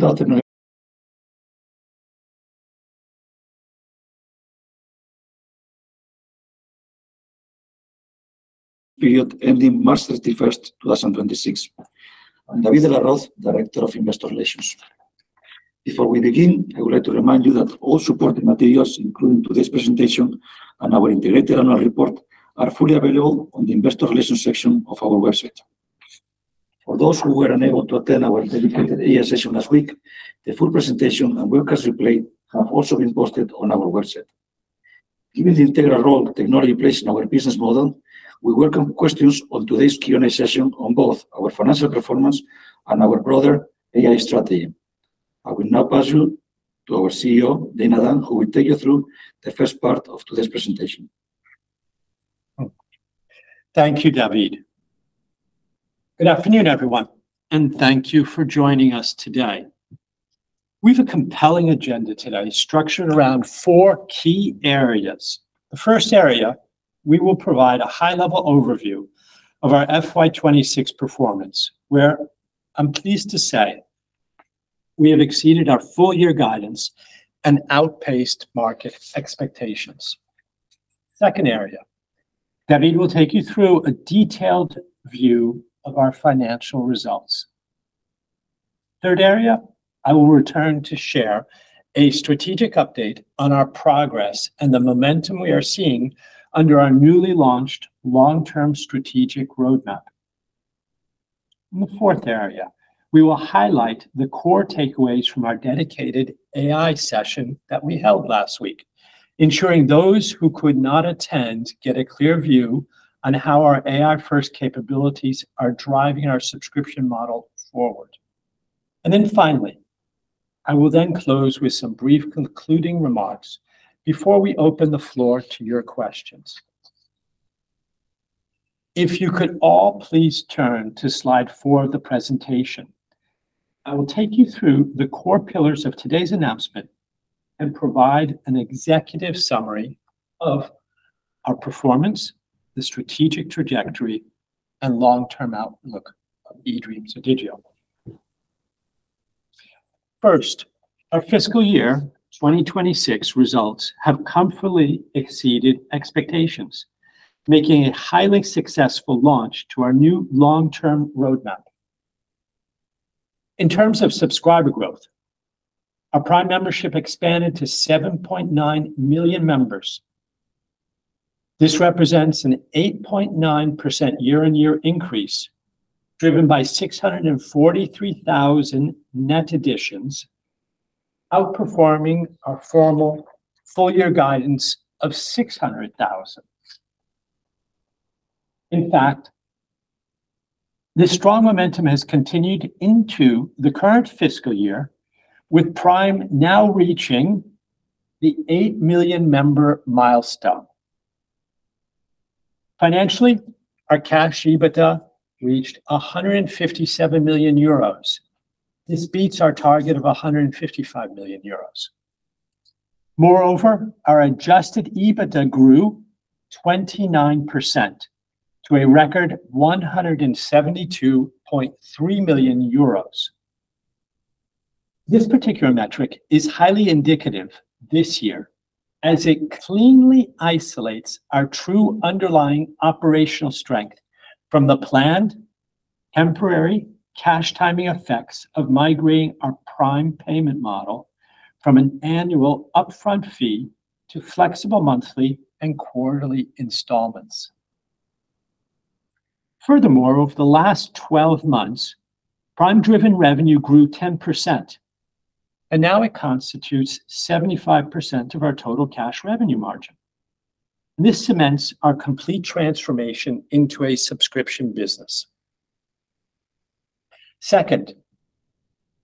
Good afternoon, period ending March 31st, 2026. I'm David de la Roza, Director of Investor Relations. Before we begin, I would like to remind you that all supporting materials, including today's presentation and our integrated annual report, are fully available on the investor relations section of our website. For those who were unable to attend our dedicated AI session last week, the full presentation and webcast replay have also been posted on our website. Given the integral role technology plays in our business model, we welcome questions on today's Q&A session on both our financial performance and our broader AI strategy. I will now pass you to our CEO, Dana Dunne, who will take you through the first part of today's presentation. Thank you, David. Good afternoon, everyone, and thank you for joining us today. We've a compelling agenda today structured around four key areas. The first area, we will provide a high-level overview of our FY 2026 performance, where I'm pleased to say we have exceeded our full-year guidance and outpaced market expectations. Second area, David will take you through a detailed view of our financial results. Third area, I will return to share a strategic update on our progress and the momentum we are seeing under our newly launched long-term strategic roadmap. The fourth area, we will highlight the core takeaways from our dedicated AI session that we held last week, ensuring those who could not attend get a clear view on how our AI-first capabilities are driving our subscription model forward. Finally, I will then close with some brief concluding remarks before we open the floor to your questions. If you could all please turn to slide four of the presentation, I will take you through the core pillars of today's announcement and provide an executive summary of our performance, the strategic trajectory, and long-term outlook of eDreams ODIGEO. First, our fiscal year 2026 results have comfortably exceeded expectations, making a highly successful launch to our new long-term roadmap. In terms of subscriber growth, our Prime membership expanded to 7.9 million members. This represents an 8.9% year-on-year increase, driven by 643,000 net additions, outperforming our formal full-year guidance of 600,000. In fact, this strong momentum has continued into the current fiscal year, with Prime now reaching the 8 million member milestone. Financially, our cash EBITDA reached 157 million euros. This beats our target of 155 million euros. Moreover, our adjusted EBITDA grew 29% to a record 172.3 million euros. This particular metric is highly indicative this year, as it cleanly isolates our true underlying operational strength from the planned temporary cash timing effects of migrating our Prime payment model from an annual upfront fee to flexible monthly and quarterly installments. Furthermore, over the last 12 months, Prime-driven revenue grew 10%, and now it constitutes 75% of our total cash revenue margin. This cements our complete transformation into a subscription business. Second,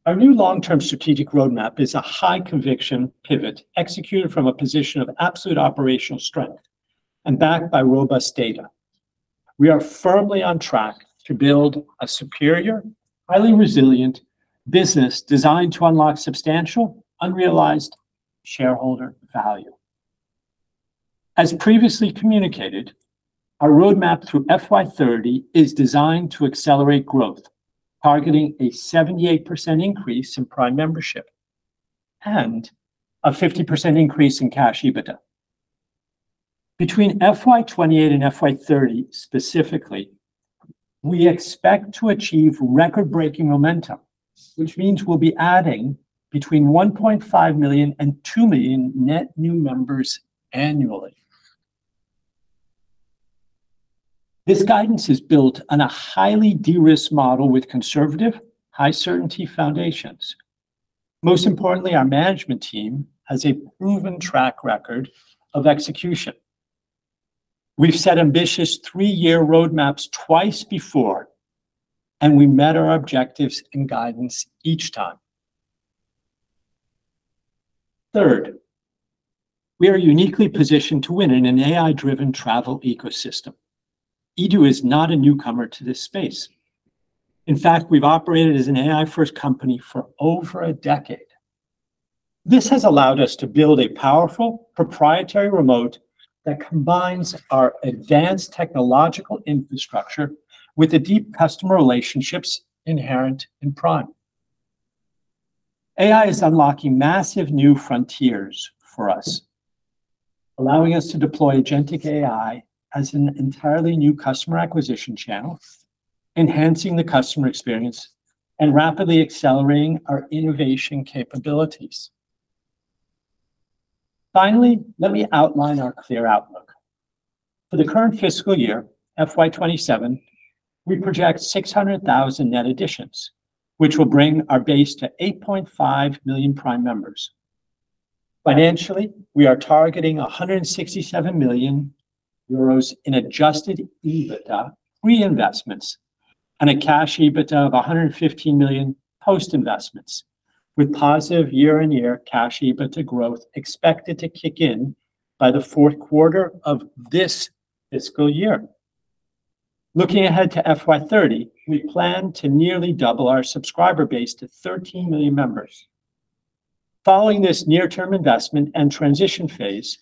our new long-term strategic roadmap is a high-conviction pivot executed from a position of absolute operational strength and backed by robust data. We are firmly on track to build a superior, highly resilient business designed to unlock substantial unrealized shareholder value. As previously communicated, our roadmap through FY 2030 is designed to accelerate growth, targeting a 78% increase in Prime membership and a 50% increase in cash EBITDA. Between FY 2028 and FY 2030, specifically, we expect to achieve record-breaking momentum, which means we'll be adding between 1.5 million and 2 million net new members annually. This guidance is built on a highly de-risked model with conservative, high-certainty foundations. Most importantly, our management team has a proven track record of execution. We've set ambitious three-year roadmaps twice before, and we met our objectives and guidance each time. Third, we are uniquely positioned to win in an AI-driven travel ecosystem. eDO is not a newcomer to this space. In fact, we've operated as an AI-first company for over a decade. This has allowed us to build a powerful proprietary moat that combines our advanced technological infrastructure with the deep customer relationships inherent in Prime. AI is unlocking massive new frontiers for us, allowing us to deploy agentic AI as an entirely new customer acquisition channel, enhancing the customer experience, and rapidly accelerating our innovation capabilities. Finally, let me outline our clear outlook. For the current fiscal year, FY 2027, we project 600,000 net additions, which will bring our base to 8.5 million Prime members. Financially, we are targeting 167 million euros in adjusted EBITDA, pre-investments, and a cash EBITDA of 115 million post-investments, with positive year-on-year cash EBITDA growth expected to kick in by the fourth quarter of this fiscal year. Looking ahead to FY 2030, we plan to nearly double our subscriber base to 13 million members. Following this near-term investment and transition phase,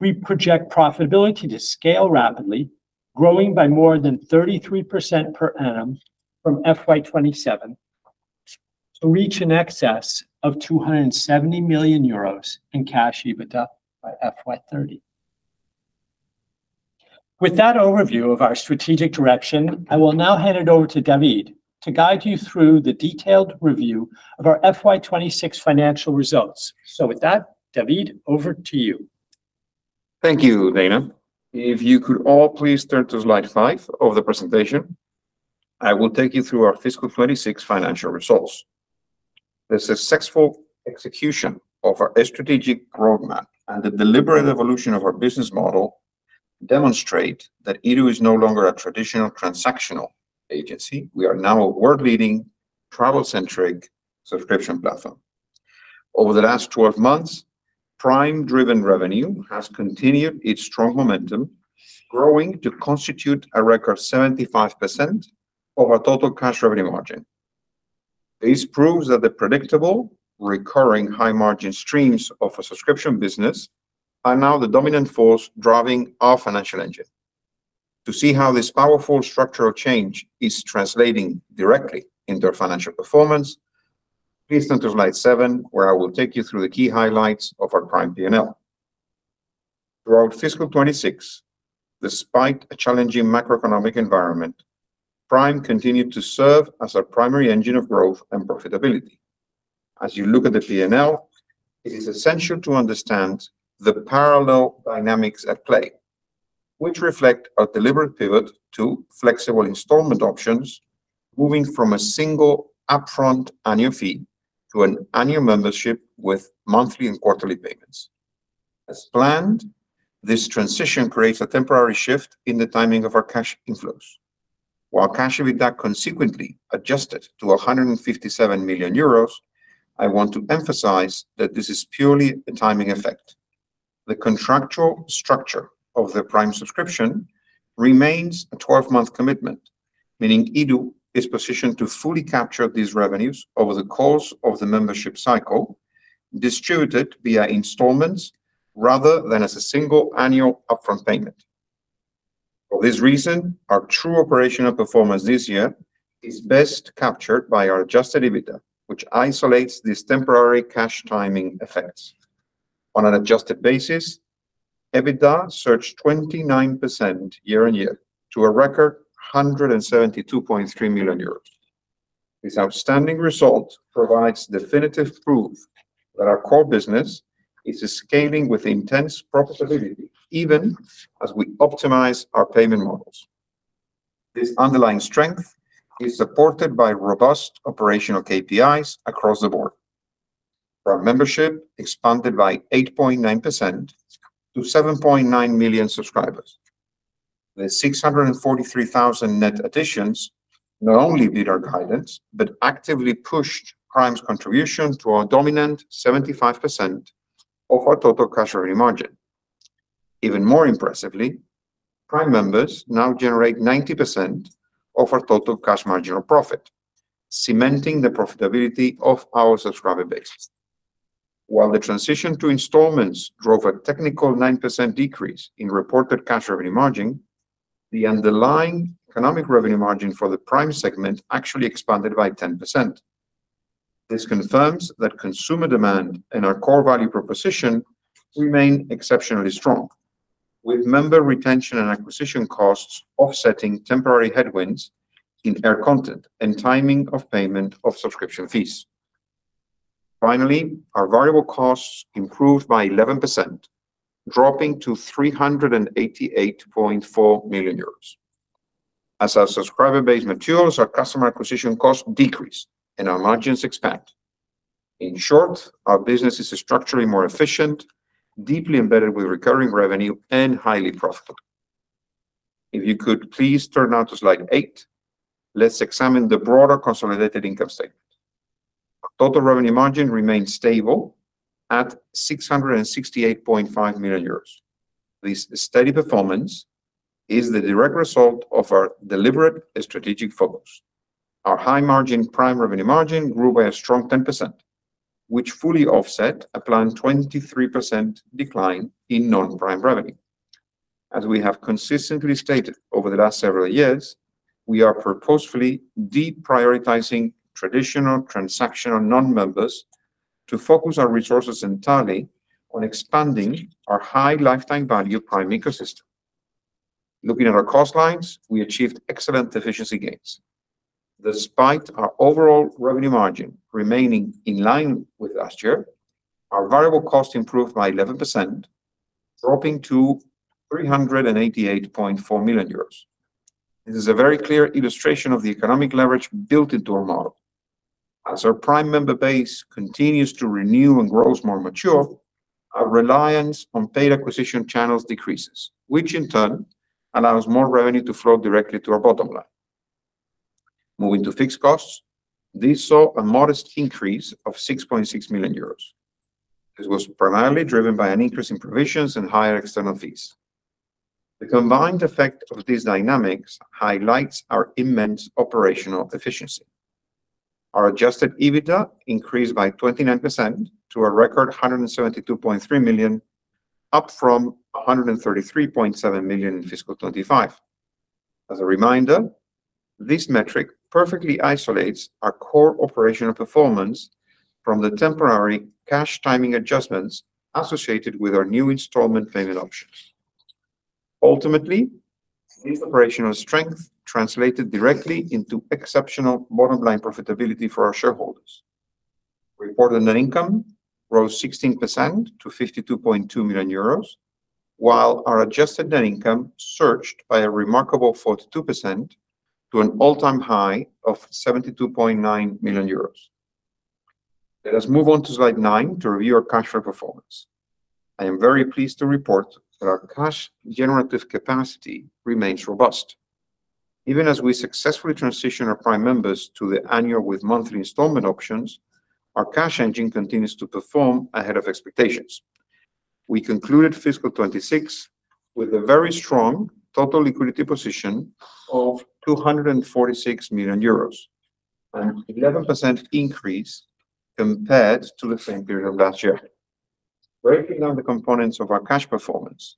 we project profitability to scale rapidly, growing by more than 33% per annum from FY 2027 to reach in excess of 270 million euros in cash EBITDA by FY 2030. With that overview of our strategic direction, I will now hand it over to David to guide you through the detailed review of our FY 2026 financial results. With that, David, over to you. Thank you, Dana. If you could all please turn to slide five of the presentation, I will take you through our fiscal 2026 financial results. The successful execution of our strategic roadmap and the deliberate evolution of our business model demonstrate that eDO is no longer a traditional transactional agency. We are now a world-leading, travel-centric subscription platform. Over the last 12 months, Prime-driven revenue has continued its strong momentum, growing to constitute a record 75% of our total cash revenue margin. This proves that the predictable, recurring high-margin streams of a subscription business are now the dominant force driving our financial engine. To see how this powerful structural change is translating directly into our financial performance, please turn to slide seven, where I will take you through the key highlights of our Prime P&L. Throughout fiscal 2026, despite a challenging macroeconomic environment, Prime continued to serve as our primary engine of growth and profitability. As you look at the P&L, it is essential to understand the parallel dynamics at play, which reflect our deliberate pivot to flexible installment options, moving from a single upfront annual fee to an annual membership with monthly and quarterly payments. As planned, this transition creates a temporary shift in the timing of our cash inflows. While cash EBITDA consequently adjusted to 157 million euros, I want to emphasize that this is purely a timing effect. The contractual structure of the Prime subscription remains a 12-month commitment, meaning eDO is positioned to fully capture these revenues over the course of the membership cycle, distributed via installments rather than as a single annual upfront payment. For this reason, our true operational performance this year is best captured by our adjusted EBITDA, which isolates these temporary cash timing effects. On an adjusted basis, EBITDA surged 29% year-on-year to a record 172.3 million euros. This outstanding result provides definitive proof that our core business is scaling with intense profitability, even as we optimize our payment models. This underlying strength is supported by robust operational KPIs across the board. Our membership expanded by 8.9% to 7.9 million subscribers. The 643,000 net additions not only beat our guidance, but actively pushed Prime's contribution to our dominant 75% of our total cash revenue margin. Even more impressively, Prime members now generate 90% of our total cash margin or profit, cementing the profitability of our subscriber base. While the transition to installments drove a technical 9% decrease in reported cash revenue margin, the underlying economic revenue margin for the Prime segment actually expanded by 10%. This confirms that consumer demand and our core value proposition remain exceptionally strong, with member retention and acquisition costs offsetting temporary headwinds in air content and timing of payment of subscription fees. Finally, our variable costs improved by 11%, dropping to 388.4 million euros. As our subscriber base matures, our customer acquisition costs decrease and our margins expand. In short, our business is structurally more efficient, deeply embedded with recurring revenue, and highly profitable. If you could please turn now to slide eight, let's examine the broader consolidated income statement. Our total revenue margin remained stable at 668.5 million euros. This steady performance is the direct result of our deliberate strategic focus. Our high margin Prime revenue margin grew by a strong 10%, which fully offset a planned 23% decline in non-Prime revenue. As we have consistently stated over the last several years, we are purposefully deprioritizing traditional transactional non-members to focus our resources entirely on expanding our high lifetime value Prime ecosystem. Looking at our cost lines, we achieved excellent efficiency gains. Despite our overall revenue margin remaining in line with last year, our variable cost improved by 11%, dropping to 388.4 million euros. This is a very clear illustration of the economic leverage built into our model. As our Prime member base continues to renew and grows more mature, our reliance on paid acquisition channels decreases, which in turn allows more revenue to flow directly to our bottom line. Moving to fixed costs, these saw a modest increase of 6.6 million euros. This was primarily driven by an increase in provisions and higher external fees. The combined effect of these dynamics highlights our immense operational efficiency. Our adjusted EBITDA increased by 29% to a record 172.3 million, up from 133.7 million in fiscal 2025. As a reminder, this metric perfectly isolates our core operational performance from the temporary cash timing adjustments associated with our new installment payment options. Ultimately, this operational strength translated directly into exceptional bottom-line profitability for our shareholders. Reported net income rose 16% to 52.2 million euros, while our adjusted net income surged by a remarkable 42% to an all-time high of 72.9 million euros. Let us move on to slide nine to review our cash flow performance. I am very pleased to report that our cash generative capacity remains robust. Even as we successfully transition our Prime members to the annual with monthly installment options, our cash engine continues to perform ahead of expectations. We concluded fiscal 2026 with a very strong total liquidity position of 246 million euros, an 11% increase compared to the same period last year. Breaking down the components of our cash performance,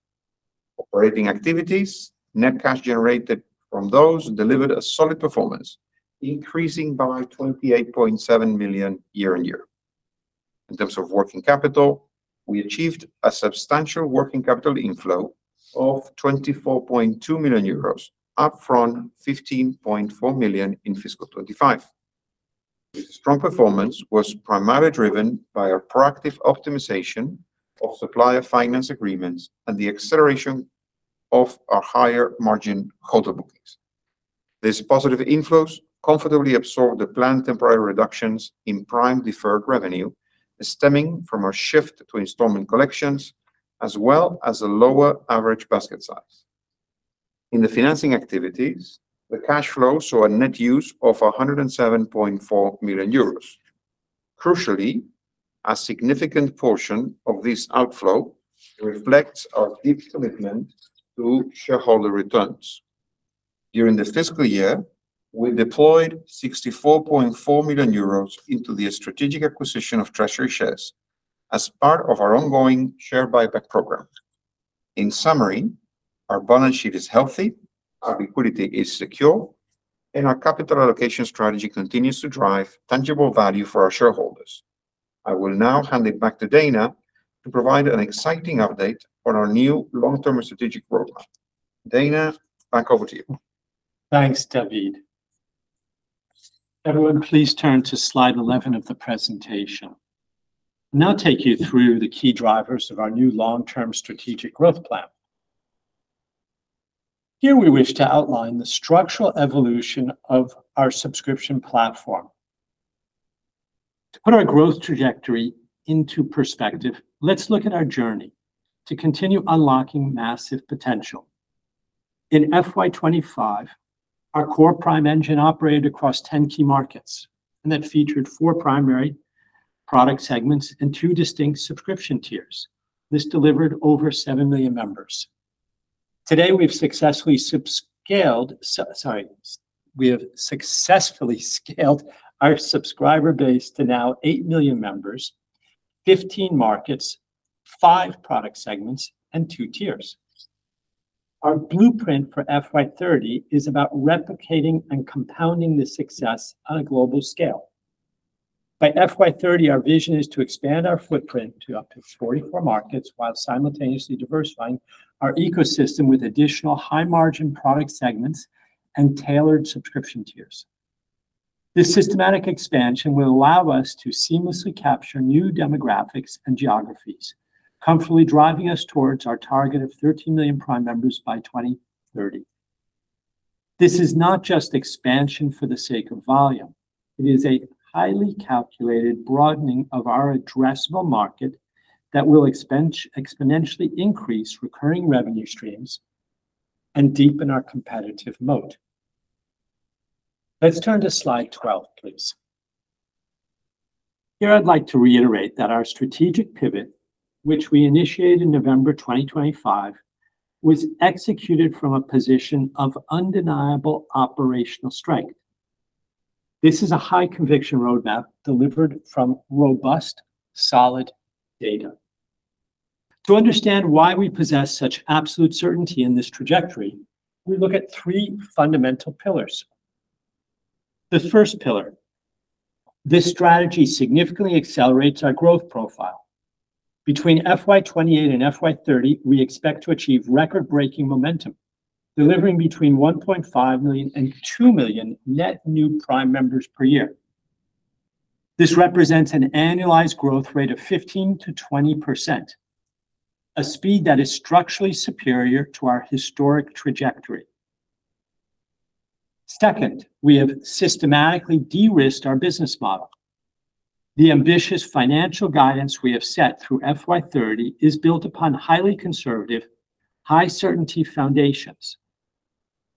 operating activities, net cash generated from those delivered a solid performance, increasing by 28.7 million year-on-year. In terms of working capital, we achieved a substantial working capital inflow of 24.2 million euros, up from 15.4 million in fiscal 2025. This strong performance was primarily driven by our proactive optimization of supplier finance agreements and the acceleration of our higher margin hotel bookings. These positive inflows comfortably absorbed the planned temporary reductions in Prime deferred revenue, stemming from our shift to installment collections, as well as a lower average basket size. In the financing activities, the cash flow saw a net use of 107.4 million euros. Crucially, a significant portion of this outflow reflects our deep commitment to shareholder returns. During this fiscal year, we deployed 64.4 million euros into the strategic acquisition of treasury shares as part of our ongoing share buyback program. In summary, our balance sheet is healthy, our liquidity is secure, and our capital allocation strategy continues to drive tangible value for our shareholders. I will now hand it back to Dana to provide an exciting update on our new long-term strategic growth plan. Dana, back over to you. Thanks, David. Everyone, please turn to slide 11 of the presentation. I'll now take you through the key drivers of our new long-term strategic growth plan. Here we wish to outline the structural evolution of our subscription platform. To put our growth trajectory into perspective, let's look at our journey to continue unlocking massive potential. In FY 2025, our core Prime engine operated across 10 key markets, and it featured four primary product segments and two distinct subscription tiers. This delivered over seven million members. Today, we've successfully scaled our subscriber base to now eight million members, 15 markets, five product segments, and two tiers. Our blueprint for FY 2030 is about replicating and compounding this success on a global scale. By FY 2030, our vision is to expand our footprint to up to 44 markets while simultaneously diversifying our ecosystem with additional high-margin product segments and tailored subscription tiers. This systematic expansion will allow us to seamlessly capture new demographics and geographies, comfortably driving us towards our target of 13 million Prime members by 2030. This is not just expansion for the sake of volume. It is a highly calculated broadening of our addressable market that will exponentially increase recurring revenue streams and deepen our competitive moat. Let's turn to slide 12, please. Here, I'd like to reiterate that our strategic pivot, which we initiated in November 2025, was executed from a position of undeniable operational strength. This is a high-conviction roadmap delivered from robust, solid data. To understand why we possess such absolute certainty in this trajectory, we look at three fundamental pillars. The first pillar, this strategy significantly accelerates our growth profile. Between FY 2028 and FY 2030, we expect to achieve record-breaking momentum, delivering between 1.5 million and two million net new Prime members per year. This represents an annualized growth rate of 15%-20%, a speed that is structurally superior to our historic trajectory. Second, we have systematically de-risked our business model. The ambitious financial guidance we have set through FY 2030 is built upon highly conservative, high-certainty foundations.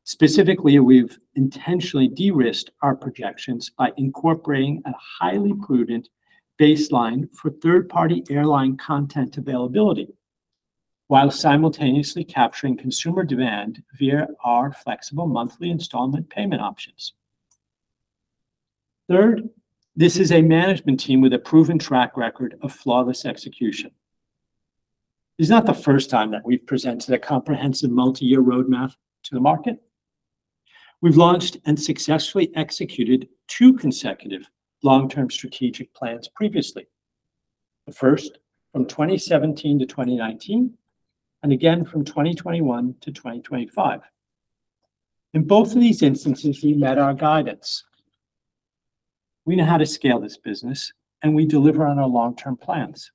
Specifically, we've intentionally de-risked our projections by incorporating a highly prudent baseline for third-party airline content availability, while simultaneously capturing consumer demand via our flexible monthly installment payment options. Third, this is a management team with a proven track record of flawless execution. It is not the first time that we've presented a comprehensive multi-year roadmap to the market. We've launched and successfully executed two consecutive long-term strategic plans previously. The first, from 2017 to 2019, and again from 2021 to 2025. In both of these instances, we met our guidance. We know how to scale this business, and we deliver on our long-term plans.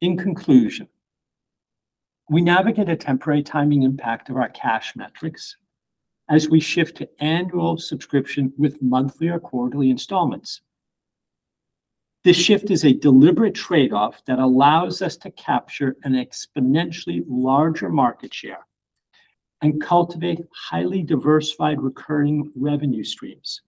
In conclusion, we navigate a temporary timing impact of our cash metrics as we shift to annual subscription with monthly or quarterly installments. This shift is a deliberate trade-off that allows us to capture an exponentially larger market share and cultivate highly diversified recurring revenue streams.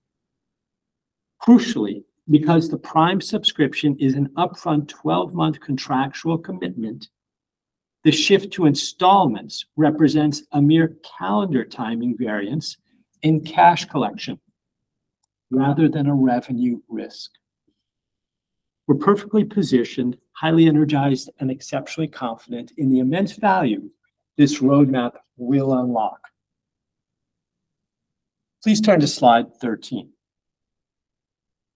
Crucially, because the Prime subscription is an upfront 12-month contractual commitment, the shift to installments represents a mere calendar timing variance in cash collection rather than a revenue risk. We're perfectly positioned, highly energized, and exceptionally confident in the immense value this roadmap will unlock. Please turn to slide 13.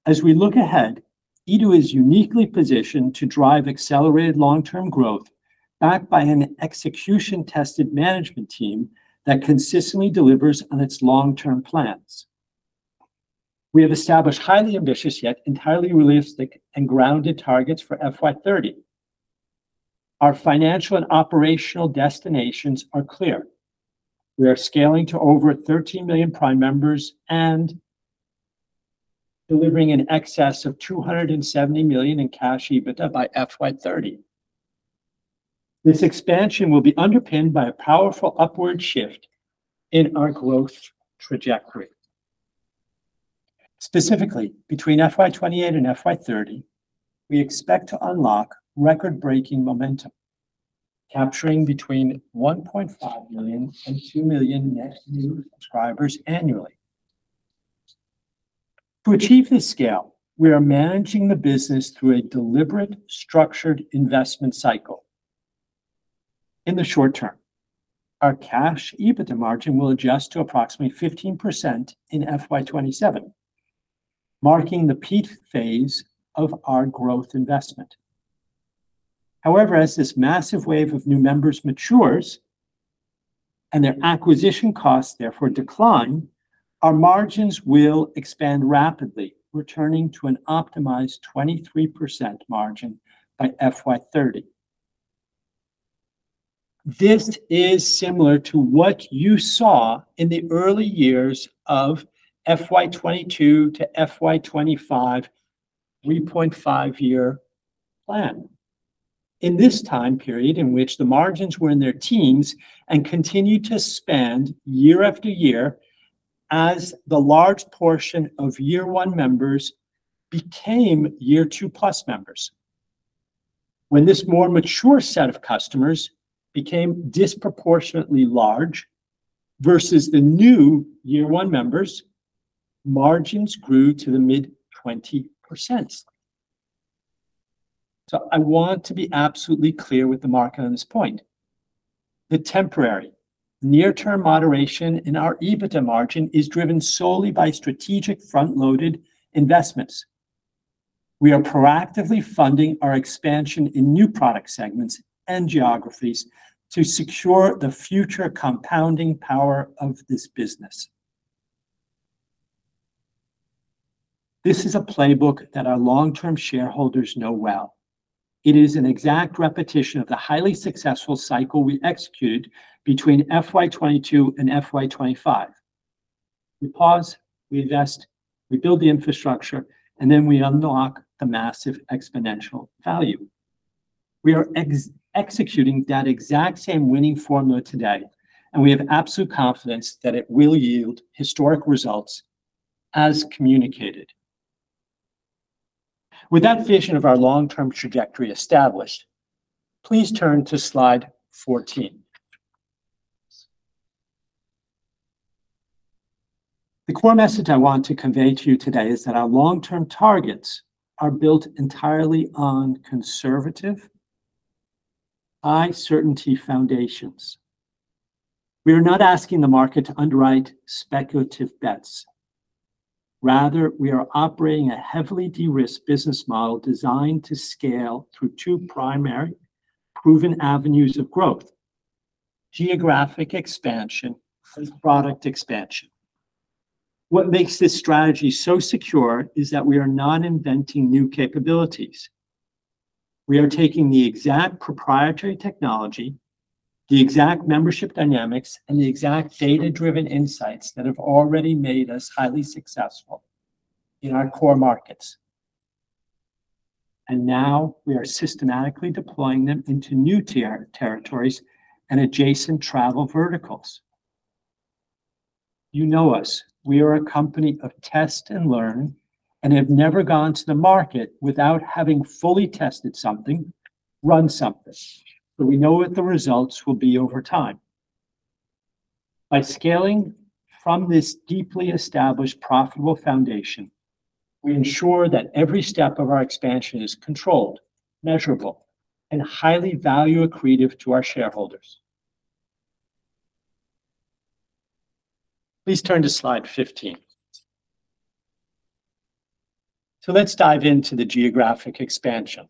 As we look ahead, eDO is uniquely positioned to drive accelerated long-term growth backed by an execution-tested management team that consistently delivers on its long-term plans. We have established highly ambitious, yet entirely realistic and grounded targets for FY 2030. Our financial and operational destinations are clear. We are scaling to over 13 million Prime members and delivering in excess of 270 million in cash EBITDA by FY 2030. This expansion will be underpinned by a powerful upward shift in our growth trajectory. Specifically, between FY 2028 and FY 2030, we expect to unlock record-breaking momentum, capturing between 1.5 million and 2 million net new subscribers annually. To achieve this scale, we are managing the business through a deliberate, structured investment cycle. In the short term, our cash EBITDA margin will adjust to approximately 15% in FY 2027, marking the peak phase of our growth investment. As this massive wave of new members matures and their acquisition costs therefore decline, our margins will expand rapidly, returning to an optimized 23% margin by FY 2030. This is similar to what you saw in the early years of FY 2022 to FY 2025 3.5-year plan. In this time period, in which the margins were in their teens and continued to expand year-after-year as the large portion of year 1 members became year 2+ members. When this more mature set of customers became disproportionately large versus the new year 1 members, margins grew to the mid-20%. I want to be absolutely clear with the market on this point. The temporary near-term moderation in our EBITDA margin is driven solely by strategic front-loaded investments. We are proactively funding our expansion in new product segments and geographies to secure the future compounding power of this business. This is a playbook that our long-term shareholders know well. It is an exact repetition of the highly successful cycle we executed between FY 2022 and FY 2025. We pause, we invest, we build the infrastructure, and then we unlock the massive exponential value. We are executing that exact same winning formula today, and we have absolute confidence that it will yield historic results as communicated. With that vision of our long-term trajectory established, please turn to slide 14. The core message I want to convey to you today is that our long-term targets are built entirely on conservative high certainty foundations. We are not asking the market to underwrite speculative bets. Rather, we are operating a heavily de-risked business model designed to scale through two primary proven avenues of growth, geographic expansion and product expansion. What makes this strategy so secure is that we are not inventing new capabilities. We are taking the exact proprietary technology, the exact membership dynamics, and the exact data-driven insights that have already made us highly successful in our core markets. Now we are systematically deploying them into new territories and adjacent travel verticals. You know us, we are a company of test and learn and have never gone to the market without having fully tested something, run something. We know what the results will be over time. By scaling from this deeply established, profitable foundation, we ensure that every step of our expansion is controlled, measurable, and highly value accretive to our shareholders. Please turn to slide 15. Let's dive into the geographic expansion.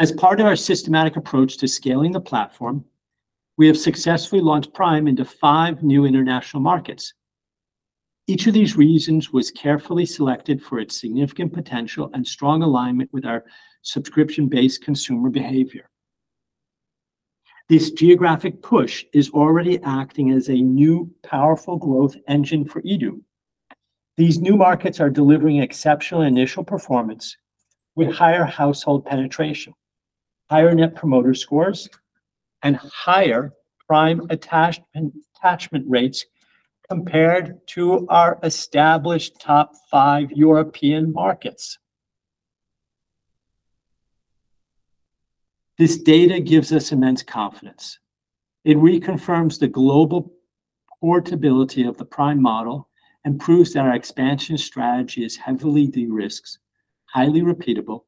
As part of our systematic approach to scaling the platform, we have successfully launched Prime into five new international markets. Each of these regions was carefully selected for its significant potential and strong alignment with our subscription-based consumer behavior. This geographic push is already acting as a new powerful growth engine for eDO. These new markets are delivering exceptional initial performance with higher household penetration, higher net promoter scores, and higher Prime attachment rates compared to our established top five European markets. This data gives us immense confidence. It reconfirms the global portability of the Prime model and proves that our expansion strategy is heavily de-risked, highly repeatable,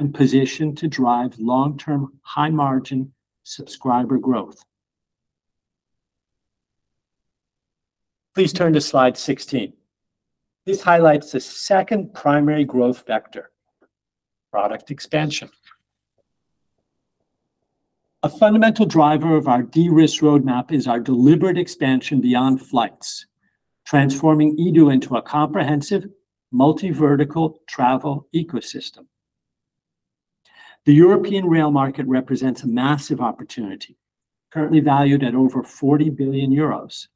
and positioned to drive long-term high margin subscriber growth. Please turn to slide 16. This highlights the second primary growth vector, product expansion. A fundamental driver of our de-risk roadmap is our deliberate expansion beyond flights, transforming eDO into a comprehensive multi-vertical travel ecosystem. The European rail market represents a massive opportunity, currently valued at over 40 billion euros.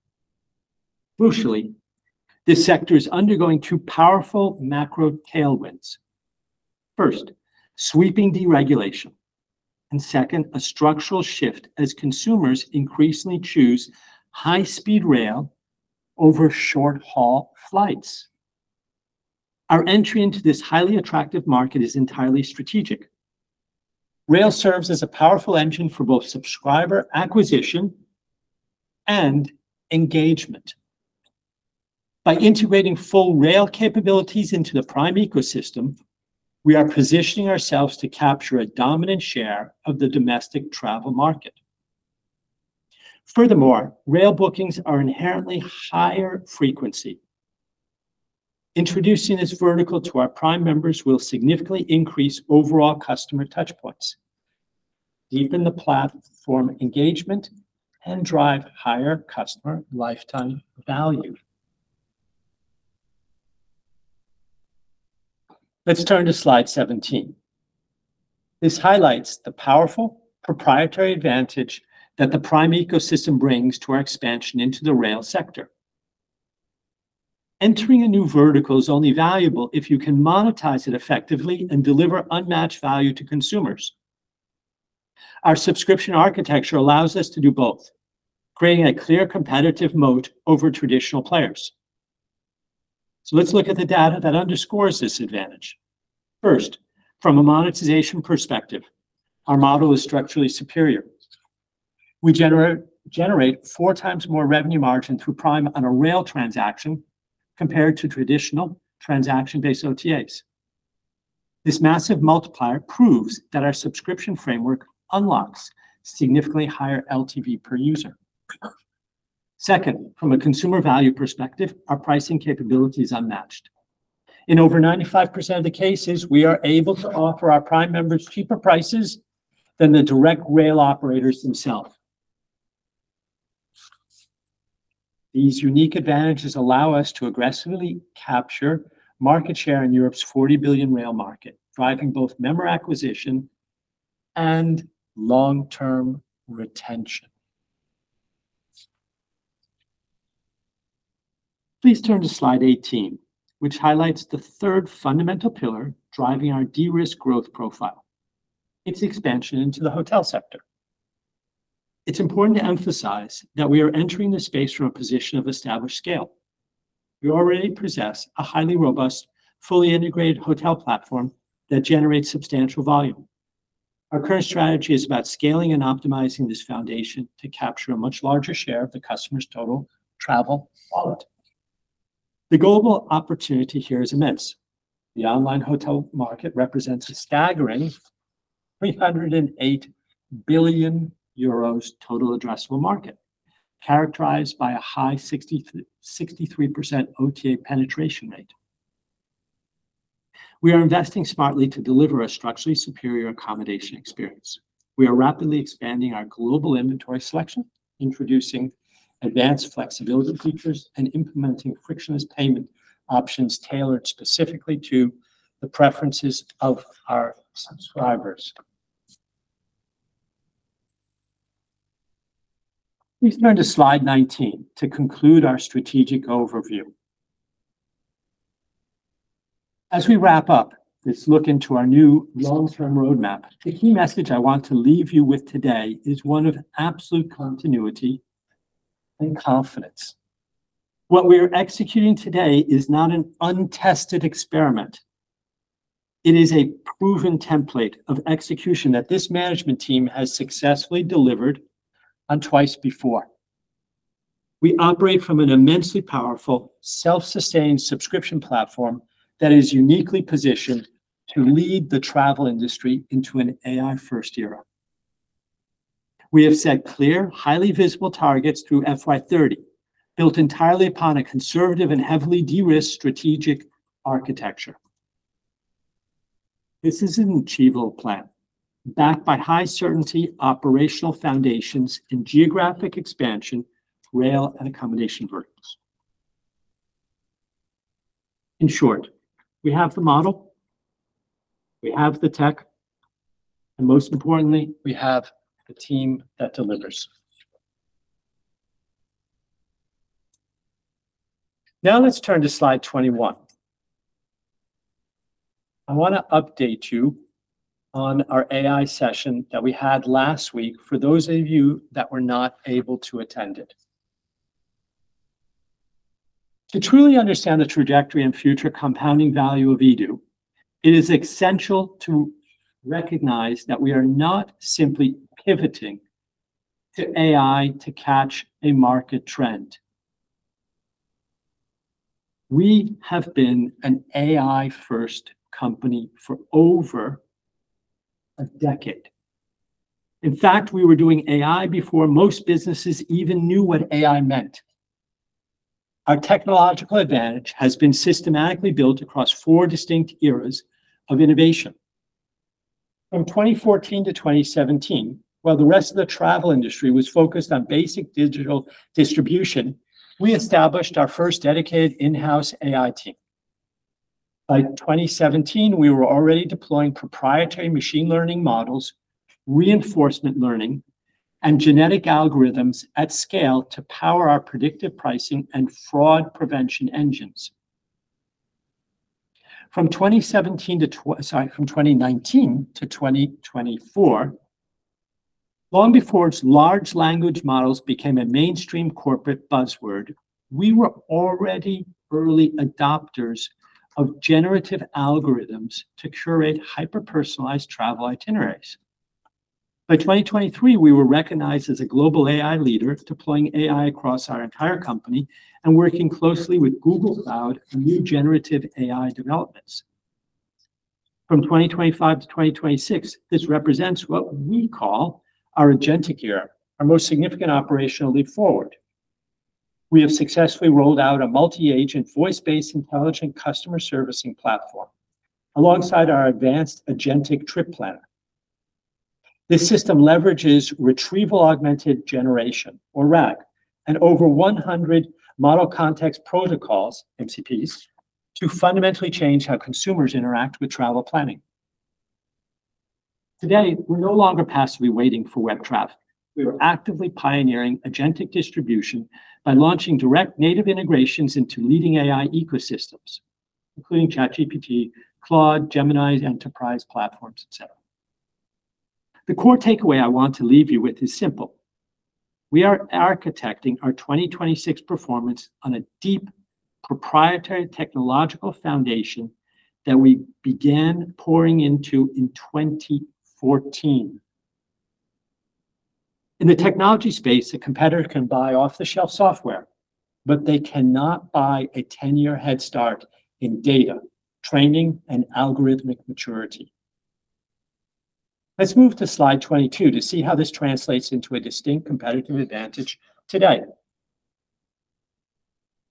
Crucially, this sector is undergoing two powerful macro tailwinds. First, sweeping deregulation, and second, a structural shift as consumers increasingly choose high-speed rail over short-haul flights. Our entry into this highly attractive market is entirely strategic. Rail serves as a powerful engine for both subscriber acquisition and engagement. By integrating full rail capabilities into the Prime ecosystem, we are positioning ourselves to capture a dominant share of the domestic travel market. Furthermore, rail bookings are inherently higher frequency. Introducing this vertical to our Prime members will significantly increase overall customer touch points, deepen the platform engagement, and drive higher customer lifetime value. Let's turn to slide 17. This highlights the powerful proprietary advantage that the Prime ecosystem brings to our expansion into the rail sector. Entering a new vertical is only valuable if you can monetize it effectively and deliver unmatched value to consumers. Our subscription architecture allows us to do both, creating a clear competitive moat over traditional players. Let's look at the data that underscores this advantage. First, from a monetization perspective, our model is structurally superior. We generate 4x more revenue margin through Prime on a rail transaction compared to traditional transaction-based OTAs. This massive multiplier proves that our subscription framework unlocks significantly higher LTV per user. Second, from a consumer value perspective, our pricing capability is unmatched. In over 95% of the cases, we are able to offer our Prime members cheaper prices than the direct rail operators themselves. These unique advantages allow us to aggressively capture market share in Europe's 40 billion rail market, driving both member acquisition and long-term retention. Please turn to slide 18, which highlights the third fundamental pillar driving our de-risk growth profile, its expansion into the hotel sector. It's important to emphasize that we are entering the space from a position of established scale. We already possess a highly robust, fully integrated hotel platform that generates substantial volume. Our current strategy is about scaling and optimizing this foundation to capture a much larger share of the customer's total travel wallet. The global opportunity here is immense. The online hotel market represents a staggering 308 billion euros total addressable market, characterized by a high 63% OTA penetration rate. We are investing smartly to deliver a structurally superior accommodation experience. We are rapidly expanding our global inventory selection, introducing advanced flexibility features, and implementing frictionless payment options tailored specifically to the preferences of our subscribers. Please turn to slide 19 to conclude our strategic overview. As we wrap up this look into our new long-term roadmap, the key message I want to leave you with today is one of absolute continuity and confidence. What we are executing today is not an untested experiment. It is a proven template of execution that this management team has successfully delivered on twice before. We operate from an immensely powerful, self-sustained subscription platform that is uniquely positioned to lead the travel industry into an AI-first era. We have set clear, highly visible targets through FY 2030, built entirely upon a conservative and heavily de-risked strategic architecture. This is an achievable plan backed by high certainty operational foundations in geographic expansion, rail, and accommodation verticals. In short, we have the model, we have the tech, and most importantly, we have the team that delivers. Let's turn to slide 21. I want to update you on our AI session that we had last week for those of you that were not able to attend it. To truly understand the trajectory and future compounding value of eDO, it is essential to recognize that we are not simply pivoting to AI to catch a market trend. We have been an AI-first company for over a decade. In fact, we were doing AI before most businesses even knew what AI meant. Our technological advantage has been systematically built across four distinct eras of innovation. From 2014 to 2017, while the rest of the travel industry was focused on basic digital distribution, we established our first dedicated in-house AI team. By 2017, we were already deploying proprietary machine learning models, reinforcement learning, and genetic algorithms at scale to power our predictive pricing and fraud prevention engines. From 2019 to 2024, long before its large language models became a mainstream corporate buzzword, we were already early adopters of generative algorithms to curate hyper-personalized travel itineraries. By 2023, we were recognized as a global AI leader, deploying AI across our entire company working closely with Google Cloud on new generative AI developments. From 2025 to 2026, this represents what we call our agentic era, our most significant operational leap forward. We have successfully rolled out a multi-agent, voice-based intelligent customer servicing platform alongside our advanced agentic trip planner. This system leverages retrieval-augmented generation, or RAG, and over 100 model context protocols, MCPs, to fundamentally change how consumers interact with travel planning. Today, we're no longer passively waiting for web traffic. We are actively pioneering agentic distribution by launching direct native integrations into leading AI ecosystems, including ChatGPT, Claude, Gemini's enterprise platforms, etcetera. The core takeaway I want to leave you with is simple. We are architecting our 2026 performance on a deep proprietary technological foundation that we began pouring into in 2014. In the technology space, a competitor can buy off-the-shelf software, but they cannot buy a 10-year head start in data, training, and algorithmic maturity. Let's move to slide 22 to see how this translates into a distinct competitive advantage today.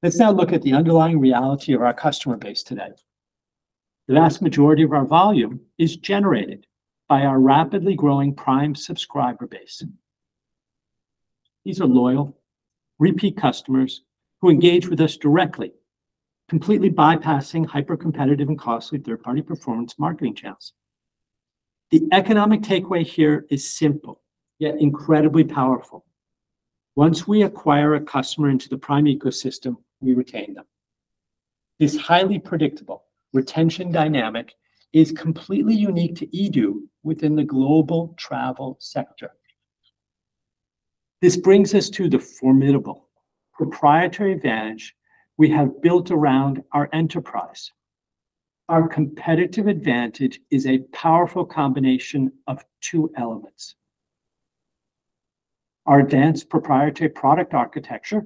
Let's now look at the underlying reality of our customer base today. The vast majority of our volume is generated by our rapidly growing Prime subscriber base. These are loyal, repeat customers who engage with us directly, completely bypassing hyper-competitive and costly third-party performance marketing channels. The economic takeaway here is simple, yet incredibly powerful. Once we acquire a customer into the Prime ecosystem, we retain them. This highly predictable retention dynamic is completely unique to eDO within the global travel sector. This brings us to the formidable proprietary advantage we have built around our enterprise. Our competitive advantage is a powerful combination of two elements. Our advanced proprietary product architecture,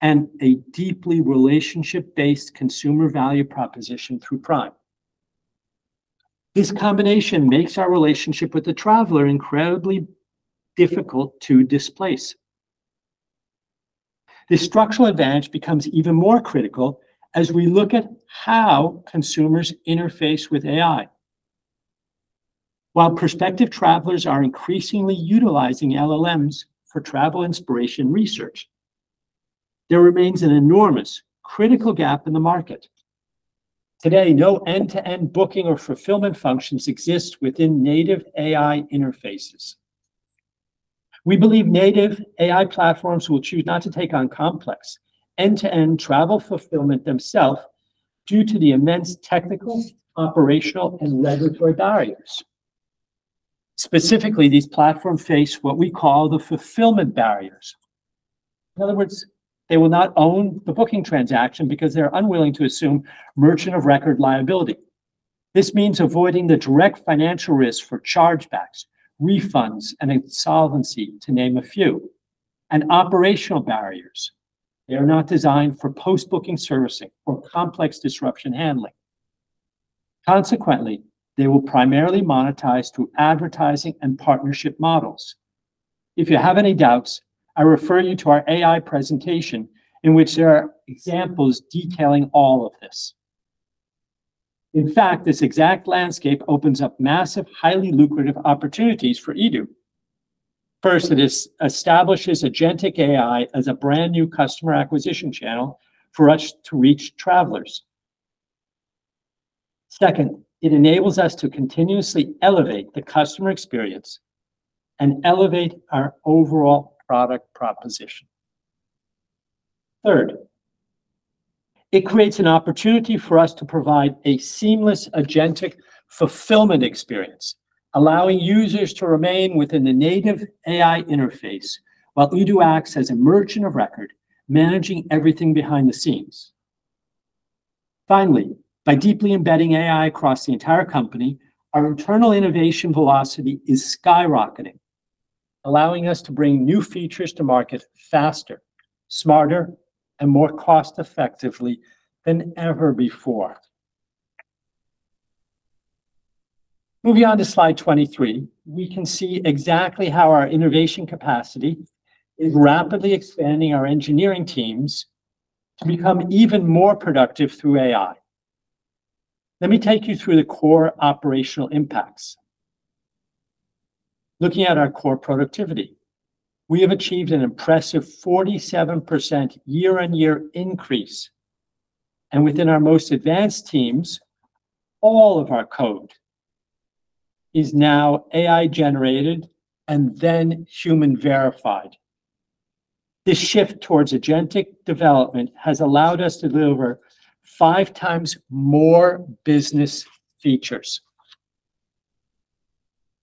and a deeply relationship-based consumer value proposition through Prime. This combination makes our relationship with the traveler incredibly difficult to displace. This structural advantage becomes even more critical as we look at how consumers interface with AI. While prospective travelers are increasingly utilizing LLMs for travel inspiration research, there remains an enormous critical gap in the market. Today, no end-to-end booking or fulfillment functions exist within native AI interfaces. We believe native AI platforms will choose not to take on complex end-to-end travel fulfillment themselves due to the immense technical, operational, and regulatory barriers. Specifically, these platforms face what we call the fulfillment barriers. In other words, they will not own the booking transaction because they're unwilling to assume merchant of record liability. This means avoiding the direct financial risk for chargebacks, refunds, and insolvency, to name a few. Operational barriers. They are not designed for post-booking servicing or complex disruption handling. Consequently, they will primarily monetize through advertising and partnership models. If you have any doubts, I refer you to our AI presentation, in which there are examples detailing all of this. In fact, this exact landscape opens up massive, highly lucrative opportunities for eDO. First, it establishes agentic AI as a brand new customer acquisition channel for us to reach travelers. Second, it enables us to continuously elevate the customer experience and elevate our overall product proposition. Third, it creates an opportunity for us to provide a seamless agentic fulfillment experience, allowing users to remain within the native AI interface while eDO acts as a merchant of record, managing everything behind the scenes. Finally, by deeply embedding AI across the entire company, our internal innovation velocity is skyrocketing, allowing us to bring new features to market faster, smarter, and more cost-effectively than ever before. Moving on to slide 23, we can see exactly how our innovation capacity is rapidly expanding our engineering teams to become even more productive through AI. Let me take you through the core operational impacts. Looking at our core productivity, we have achieved an impressive 47% year-on-year increase, and within our most advanced teams, all of our code is now AI generated and then human verified. This shift towards agentic development has allowed us to deliver 5x more business features.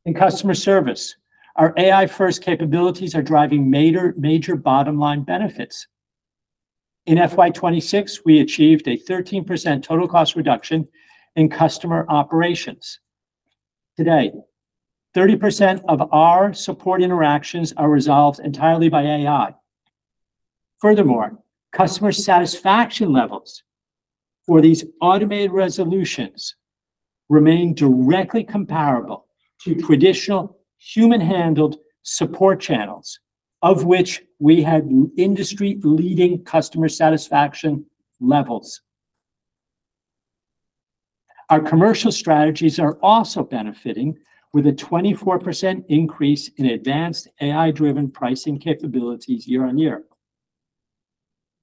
In customer service, our AI first capabilities are driving major bottom-line benefits. In FY 2026, we achieved a 13% total cost reduction in customer operations. Today, 30% of our support interactions are resolved entirely by AI. Furthermore, customer satisfaction levels for these automated resolutions remain directly comparable to traditional human-handled support channels, of which we had industry-leading customer satisfaction levels. Our commercial strategies are also benefiting with a 24% increase in advanced AI-driven pricing capabilities year-on-year,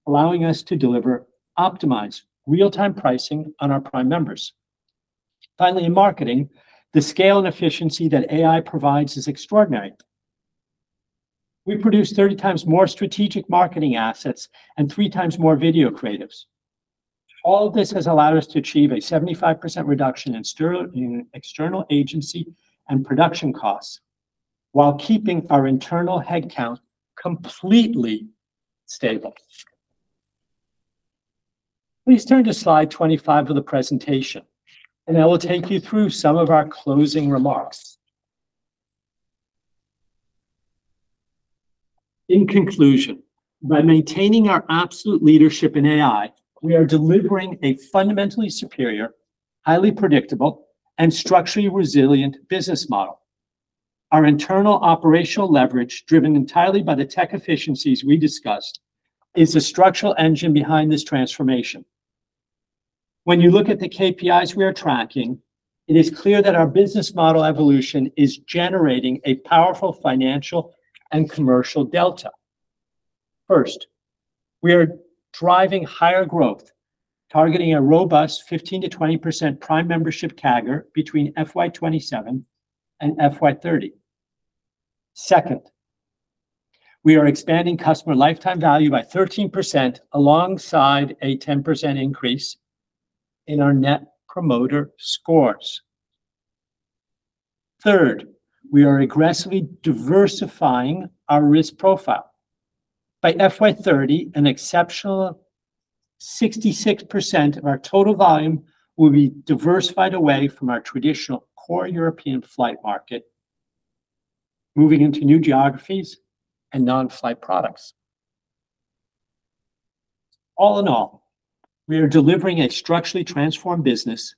allowing us to deliver optimized real-time pricing on our Prime members. In marketing, the scale and efficiency that AI provides is extraordinary. We produce 30x more strategic marketing assets and 3x more video creatives. All this has allowed us to achieve a 75% reduction in external agency and production costs while keeping our internal headcount completely stable. Please turn to slide 25 of the presentation, and I will take you through some of our closing remarks. In conclusion, by maintaining our absolute leadership in AI, we are delivering a fundamentally superior, highly predictable, and structurally resilient business model. Our internal operational leverage, driven entirely by the tech efficiencies we discussed, is the structural engine behind this transformation. When you look at the KPIs we are tracking, it is clear that our business model evolution is generating a powerful financial and commercial delta. First, we are driving higher growth, targeting a robust 15%-20% Prime membership CAGR between FY 2027 and FY 2030. Second, we are expanding customer lifetime value by 13%, alongside a 10% increase in our net promoter scores. Third, we are aggressively diversifying our risk profile. By FY 2030, an exceptional 66% of our total volume will be diversified away from our traditional core European flight market, moving into new geographies and non-flight products. All in all, we are delivering a structurally transformed business,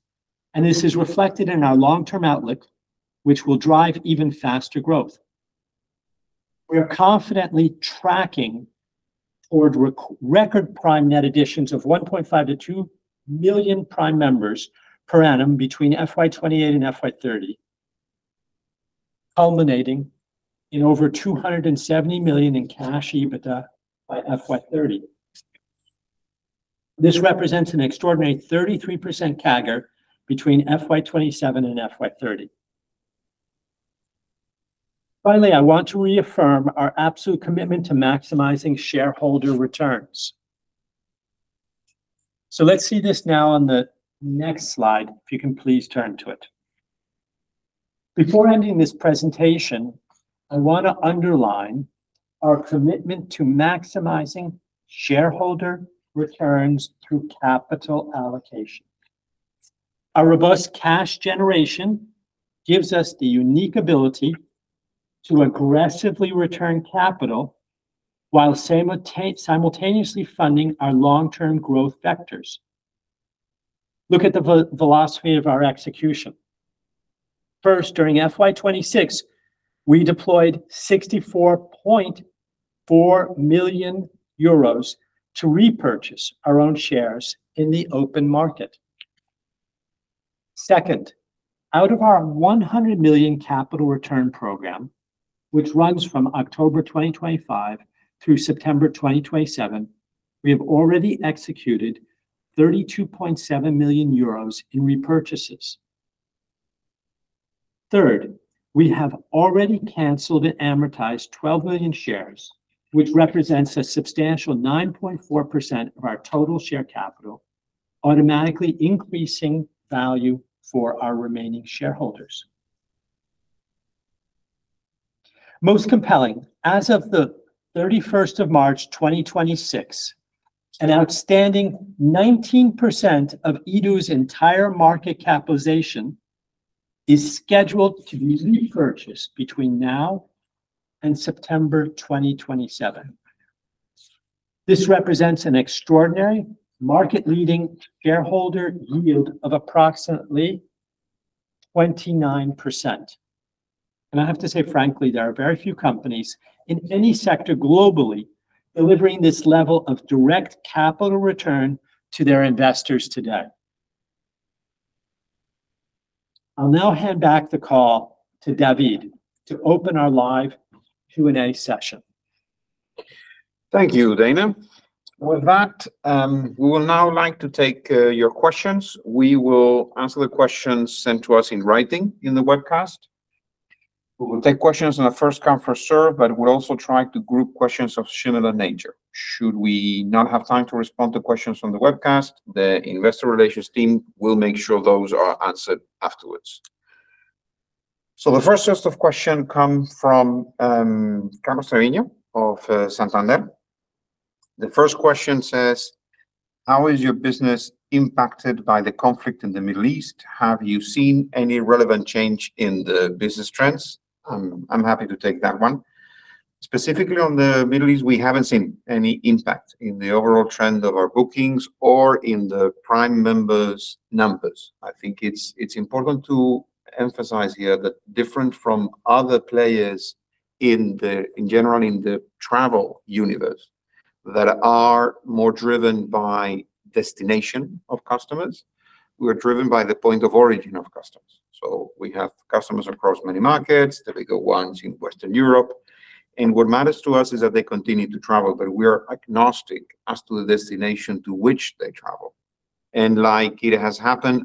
and this is reflected in our long-term outlook, which will drive even faster growth. We are confidently tracking toward record Prime net additions of 1.5 million-2 million Prime members per annum between FY 2028 and FY 2030, culminating in over 270 million in cash EBITDA by FY 2030. This represents an extraordinary 33% CAGR between FY 2027 and FY 2030. Finally, I want to reaffirm our absolute commitment to maximizing shareholder returns. Let's see this now on the next slide, if you can please turn to it. Before ending this presentation, I want to underline our commitment to maximizing shareholder returns through capital allocation. Our robust cash generation gives us the unique ability to aggressively return capital while simultaneously funding our long-term growth vectors. Look at the velocity of our execution. First, during FY 2026, we deployed 64.4 million euros to repurchase our own shares in the open market. Second, out of our 100 million capital return program, which runs from October 2025 through September 2027, we have already executed 32.7 million euros in repurchases. Third, we have already canceled and amortized 12 million shares, which represents a substantial 9.4% of our total share capital, automatically increasing value for our remaining shareholders. Most compelling, as of the 31st of March 2026, an outstanding 19% of eDO's entire market capitalization is scheduled to be repurchased between now and September 2027. This represents an extraordinary market-leading shareholder yield of approximately 29%. I have to say, frankly, there are very few companies in any sector globally delivering this level of direct capital return to their investors today. I'll now hand back the call to David to open our live Q&A session. Thank you, Dana. With that, we will now like to take your questions. We will answer the questions sent to us in writing in the webcast. We will take questions on a first come, first serve, but we'll also try to group questions of similar nature. Should we not have time to respond to questions from the webcast, the investor relations team will make sure those are answered afterwards. The first set of question come from Carlos Cerviño of Santander. The first question says, "How is your business impacted by the conflict in the Middle East? Have you seen any relevant change in the business trends?" I'm happy to take that one. Specifically on the Middle East, we haven't seen any impact in the overall trend of our bookings or in the Prime members' numbers. I think it's important to emphasize here that different from other players in general in the travel universe that are more driven by destination of customers, we're driven by the point of origin of customers. We have customers across many markets, the bigger ones in Western Europe. What matters to us is that they continue to travel, but we are agnostic as to the destination to which they travel. Like it has happened,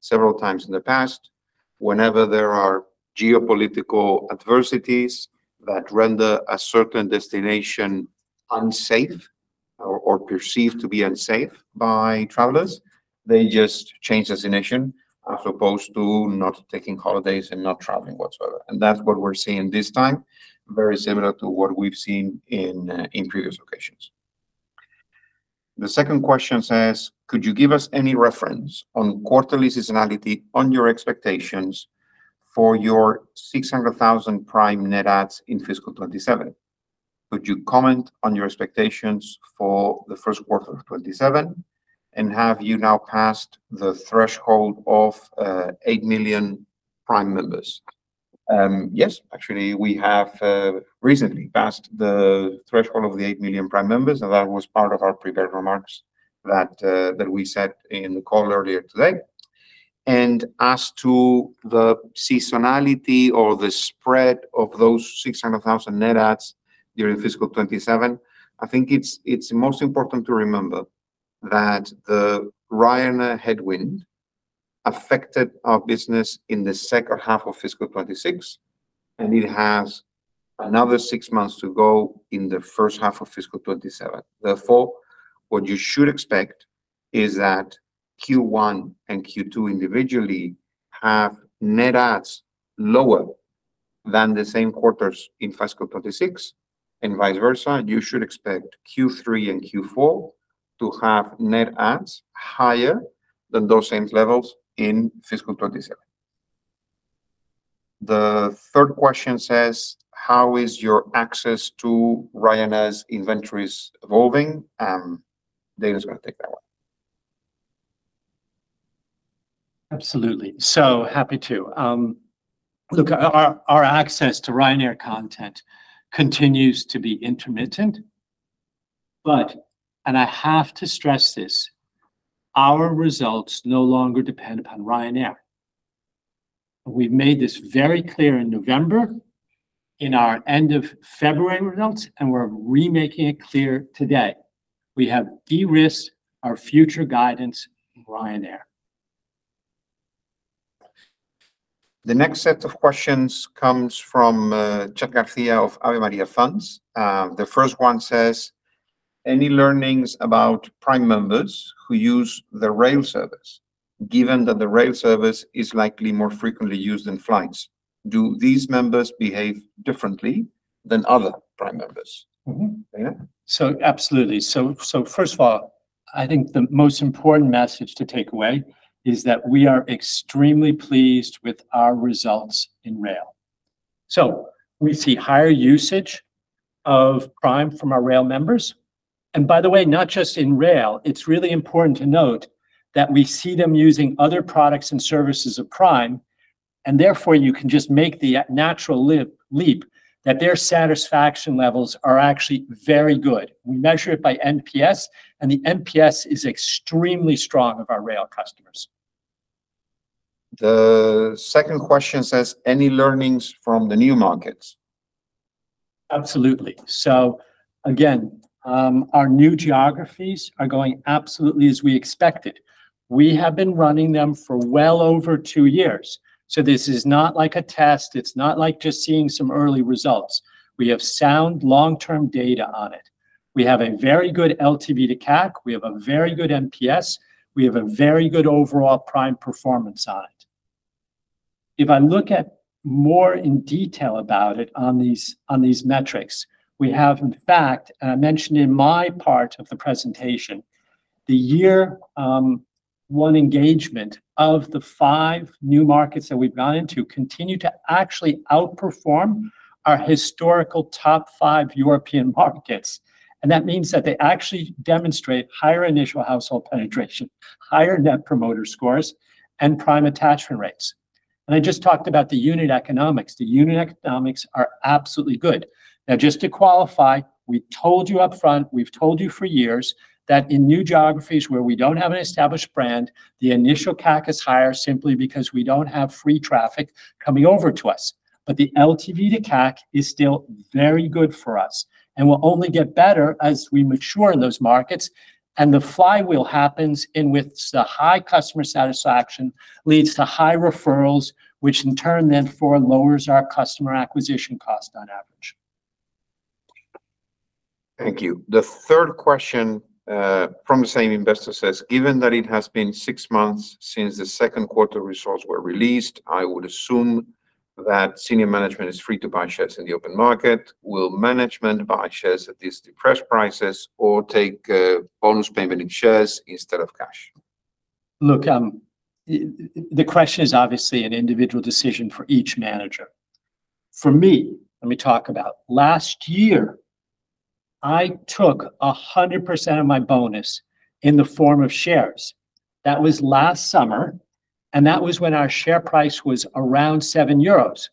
unfortunately, several times in the past, whenever there are geopolitical adversities that render a certain destination unsafe or perceived to be unsafe by travelers, they just change destination as opposed to not taking holidays and not traveling whatsoever. That's what we're seeing this time, very similar to what we've seen in previous occasions. The second question says, "Could you give us any reference on quarterly seasonality on your expectations for your 600,000 Prime net adds in fiscal 2027? Could you comment on your expectations for the first quarter of 2027? Have you now passed the threshold of 8 million Prime members?" Yes. Actually, we have recently passed the threshold of the 8 million Prime members, and that was part of our prepared remarks that we said in the call earlier today. As to the seasonality or the spread of those 600,000 net adds during fiscal 2027, I think it's most important to remember that the Ryanair headwind affected our business in the second half of fiscal 2026, and it has another six months to go in the first half of fiscal 2027. Therefore, what you should expect is that Q1 and Q2 individually have net adds lower than the same quarters in fiscal 2026, and vice versa. You should expect Q3 and Q4 to have net adds higher than those same levels in fiscal 2027. The third question says, "How is your access to Ryanair's inventories evolving?" Dana's going to take that one. Absolutely. Happy to. Look, our access to Ryanair content continues to be intermittent, but, and I have to stress this, our results no longer depend upon Ryanair. We've made this very clear in November, in our end of February results. We're remaking it clear today. We have de-risked our future guidance from Ryanair. The next set of questions comes from Chadd Garcia of Ave Maria Funds. The first one says, "Any learnings about Prime members who use the rail service? Given that the rail service is likely more frequently used than flights, do these members behave differently than other Prime members?" Dana? Absolutely. First of all, I think the most important message to take away is that we are extremely pleased with our results in rail. We see higher usage of Prime from our rail members. By the way, not just in rail. It's really important to note that we see them using other products and services of Prime, and therefore you can just make the natural leap that their satisfaction levels are actually very good. We measure it by NPS, and the NPS is extremely strong of our rail customers. The second question says, "Any learnings from the new markets? Absolutely. Again, our new geographies are going absolutely as we expected. We have been running them for well over two years, this is not like a test. It's not like just seeing some early results. We have sound long-term data on it. We have a very good LTV to CAC. We have a very good NPS. We have a very good overall Prime performance on it. If I look at more in detail about it on these metrics, we have, in fact, and I mentioned in my part of the presentation, the year one engagement of the five new markets that we've gone into continue to actually outperform our historical top five European markets. That means that they actually demonstrate higher initial household penetration, higher Net Promoter Scores, and Prime attachment rates. I just talked about the unit economics. The unit economics are absolutely good. Just to qualify, we told you up front, we've told you for years that in new geographies where we don't have an established brand, the initial CAC is higher simply because we don't have free traffic coming over to us. The LTV to CAC is still very good for us and will only get better as we mature in those markets. The flywheel happens in with the high customer satisfaction leads to high referrals, which in turn therefore lowers our customer acquisition cost on average. Thank you. The third question from the same investor says, "Given that it has been six months since the second quarter results were released, I would assume that senior management is free to buy shares in the open market. Will management buy shares at these depressed prices or take a bonus payment in shares instead of cash? The question is obviously an individual decision for each manager. For me, let me talk about last year. I took 100% of my bonus in the form of shares. That was last summer. That was when our share price was around 7 euros.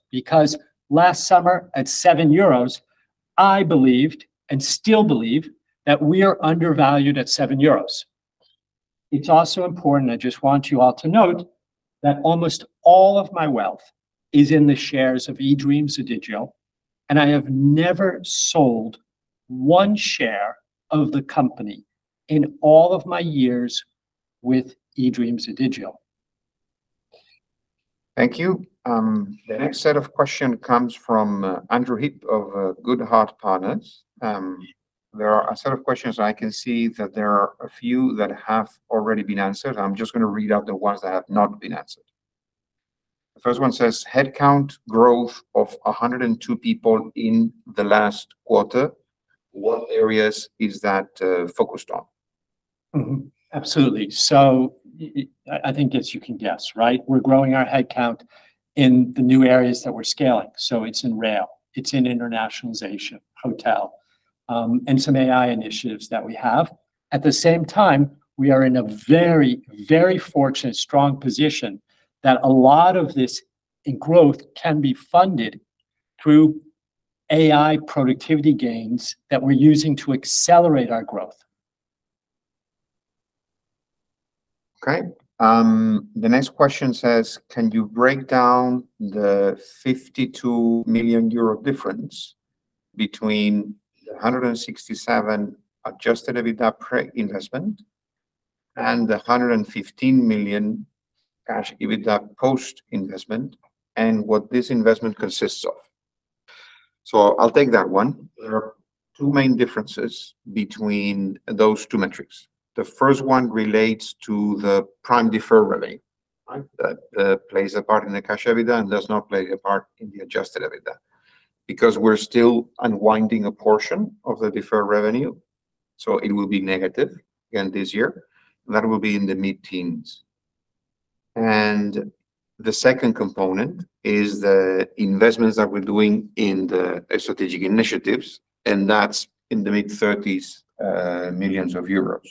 Last summer at 7 euros, I believed and still believe that we are undervalued at 7 euros. It's also important, I just want you all to note, that almost all of my wealth is in the shares of eDreams ODIGEO. I have never sold one share of the company in all of my years with eDreams ODIGEO. Thank you. The next set of question comes from Andrew Heap of Goodhart Partners. There are a set of questions. I can see that there are a few that have already been answered. I'm just going to read out the ones that have not been answered. The first one says, "Headcount growth of 102 people in the last quarter. What areas is that focused on? Absolutely. I think as you can guess, right, we're growing our headcount in the new areas that we're scaling. It's in rail, it's in internationalization, hotel, and some AI initiatives that we have. At the same time, we are in a very fortunate, strong position that a lot of this growth can be funded through AI productivity gains that we're using to accelerate our growth. Okay. The next question says, "Can you break down the 52 million euro difference between the 167 adjusted EBITDA pre-investment and the 115 million cash EBITDA post-investment, and what this investment consists of?" I'll take that one. There are two main differences between those two metrics. The first one relates to the Prime deferred revenue that plays a part in the cash EBITDA and does not play a part in the adjusted EBITDA. Because we're still unwinding a portion of the deferred revenue, so it will be negative again this year. That will be in the mid-teens. The second component is the investments that we're doing in the strategic initiatives, and that's in the mid-30s millions of EUR.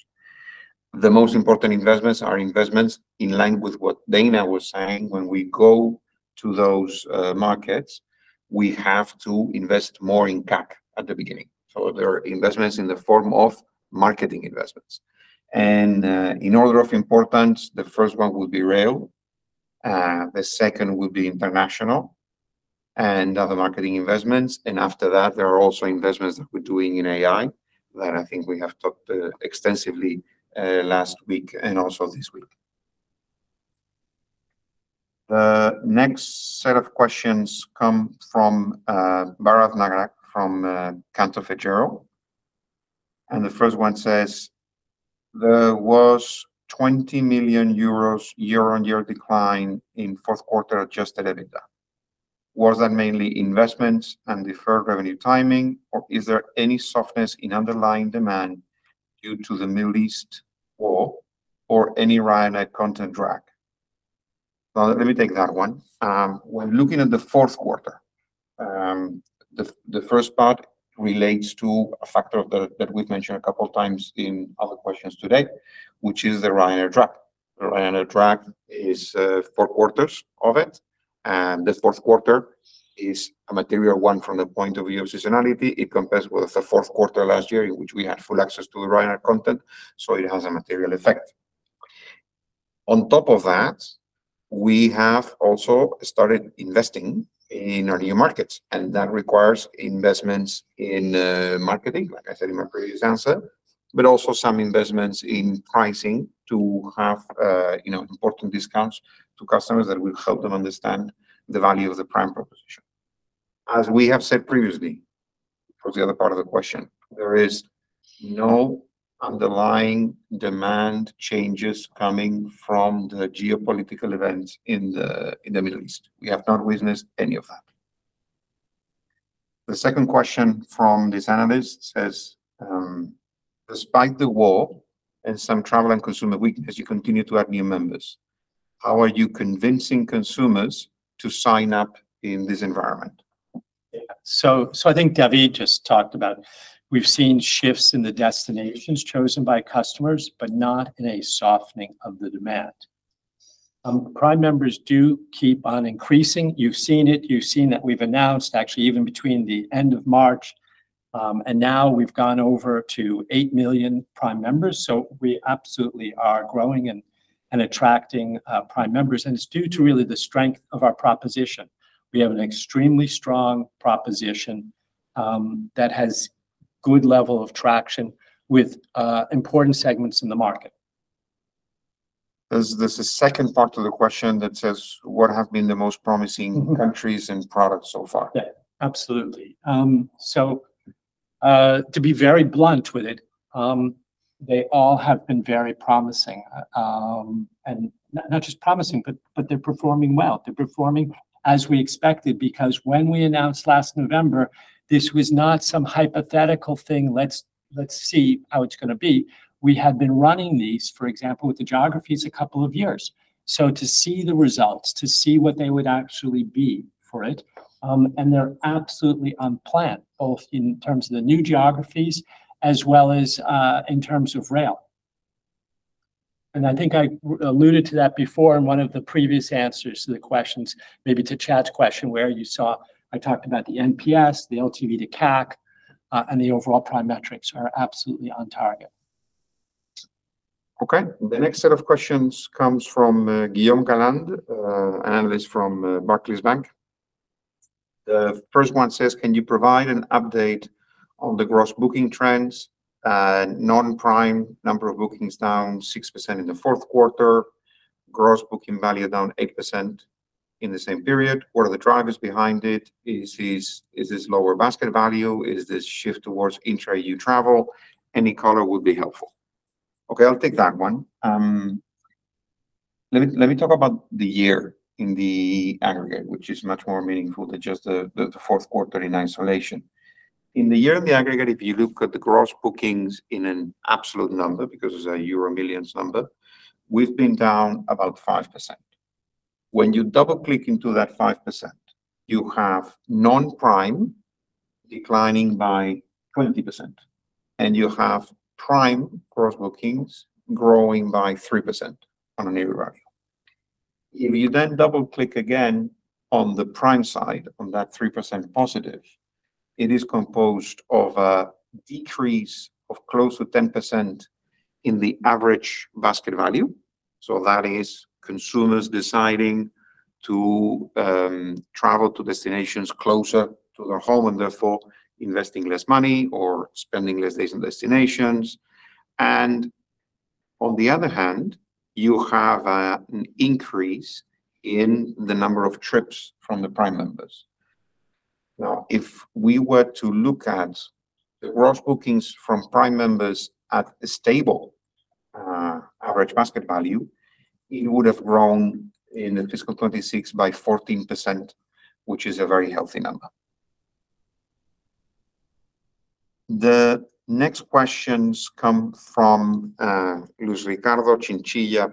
The most important investments are investments in line with what Dana was saying. When we go to those markets, we have to invest more in CAC at the beginning. There are investments in the form of marketing investments. In order of importance, the first one will be rail, the second will be international and other marketing investments. After that, there are also investments that we're doing in AI that I think we have talked extensively last week and also this week. The next set of questions come from Bharath Nagaraj from Cantor Fitzgerald, and the first one says, "There was 20 million euros year-on-year decline in fourth quarter adjusted EBITDA. Was that mainly investments and deferred revenue timing, or is there any softness in underlying demand due to the Middle East war or any Ryanair content drag?" Let me take that one. When looking at the fourth quarter, the first part relates to a factor that we've mentioned a couple of times in other questions today, which is the Ryanair drag. The Ryanair drag is four quarters of it. This fourth quarter is a material one from the point of view of seasonality. It compares with the fourth quarter last year, in which we had full access to the Ryanair content. It has a material effect. On top of that, we have also started investing in our new markets. That requires investments in marketing, like I said in my previous answer, but also some investments in pricing to have important discounts to customers that will help them understand the value of the Prime proposition. As we have said previously, towards the other part of the question, there is no underlying demand changes coming from the geopolitical events in the Middle East. We have not witnessed any of that. The second question from this analyst says, "Despite the war and some travel and consumer weakness, you continue to add new members. How are you convincing consumers to sign up in this environment? I think David just talked about, we've seen shifts in the destinations chosen by customers, but not in a softening of the demand. Prime members do keep on increasing. You've seen it. You've seen that we've announced actually, even between the end of March and now, we've gone over to 8 million Prime members. We absolutely are growing and attracting Prime members, and it's due to really the strength of our proposition. We have an extremely strong proposition that has good level of traction with important segments in the market. There's a second part to the question that says, "What have been the most promising countries and products so far? Yeah, absolutely. To be very blunt with it, they all have been very promising. Not just promising, but they're performing well. They're performing as we expected because when we announced last November, this was not some hypothetical thing, let's see how it's going to be. We had been running these, for example, with the geographies a couple of years. To see the results, to see what they would actually be for it, and they're absolutely on plan, both in terms of the new geographies as well as in terms of rail. I think I alluded to that before in one of the previous answers to the questions, maybe to Chad's question, where you saw I talked about the NPS, the LTV to CAC, and the overall Prime metrics are absolutely on target. Okay. The next set of questions comes from Guillaume Galland, an Analyst from Barclays Bank. The first one says, "Can you provide an update on the gross booking trends? Non-Prime number of bookings down 6% in the fourth quarter, gross booking value down 8% in the same period. What are the drivers behind it? Is this lower basket value? Is this shift towards intra-EU travel? Any color would be helpful." Okay, I will take that one. Let me talk about the year in the aggregate, which is much more meaningful than just the fourth quarter in isolation. In the year in the aggregate, if you look at the gross bookings in an absolute number, because it is a euro millions number, we have been down about 5%. When you double-click into that 5%, you have non-Prime declining by 20%, and you have Prime gross bookings growing by 3% on a year-over-year value. If you then double-click again on the Prime side, on that 3% positive, it is composed of a decrease of close to 10% in the average basket value. That is consumers deciding to travel to destinations closer to their home and therefore investing less money or spending less days in destinations. On the other hand, you have an increase in the number of trips from the Prime members. If we were to look at the gross bookings from Prime members at a stable average basket value, it would have grown in the fiscal 2026 by 14%, which is a very healthy number. The next questions come from Luis Ricardo Chinchilla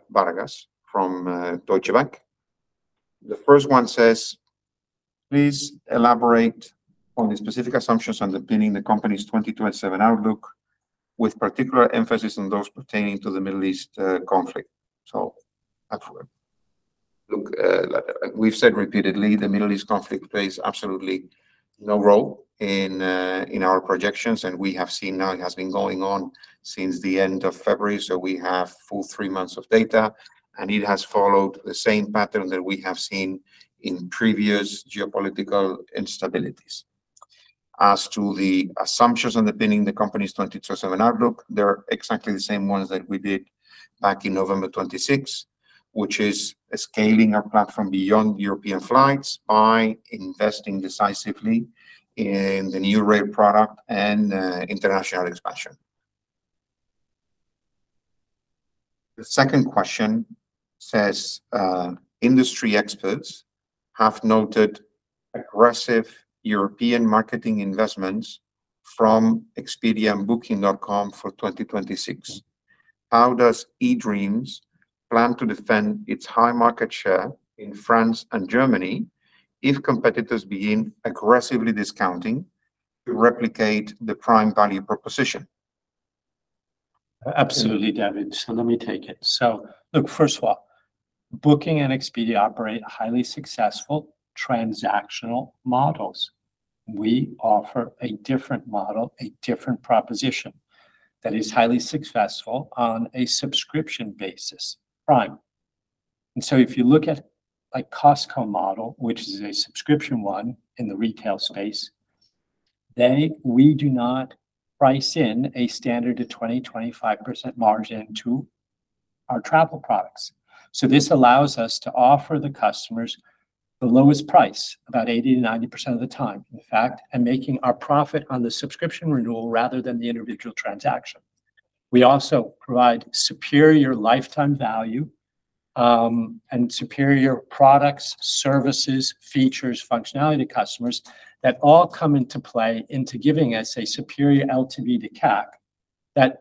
from Deutsche Bank. The first one says, "Please elaborate on the specific assumptions underpinning the company's 2027 outlook, with particular emphasis on those pertaining to the Middle East conflict." That's for you. Look, we've said repeatedly, the Middle East conflict plays absolutely no role in our projections, and we have seen now it has been going on since the end of February. We have a full three months of data, and it has followed the same pattern that we have seen in previous geopolitical instabilities. As to the assumptions underpinning the company's 2027 outlook, they're exactly the same ones that we did back in November 26, which is scaling our platform beyond European flights by investing decisively in the new rate product and international expansion. The second question says, "Industry experts have noted aggressive European marketing investments from Expedia and Booking.com for 2026. How does eDreams plan to defend its high market share in France and Germany if competitors begin aggressively discounting to replicate the Prime value proposition? Absolutely, David. Let me take it. Look, first of all, Booking and Expedia operate highly successful transactional models. We offer a different model, a different proposition that is highly successful on a subscription basis, Prime. If you look at a Costco model, which is a subscription one in the retail space, then we do not price in a standard 20%-25% margin to our travel products. This allows us to offer the customers the lowest price about 80%-90% of the time, in fact, and making our profit on the subscription renewal rather than the individual transaction. We also provide superior lifetime value, and superior products, services, features, functionality to customers that all come into play into giving us a superior LTV to CAC that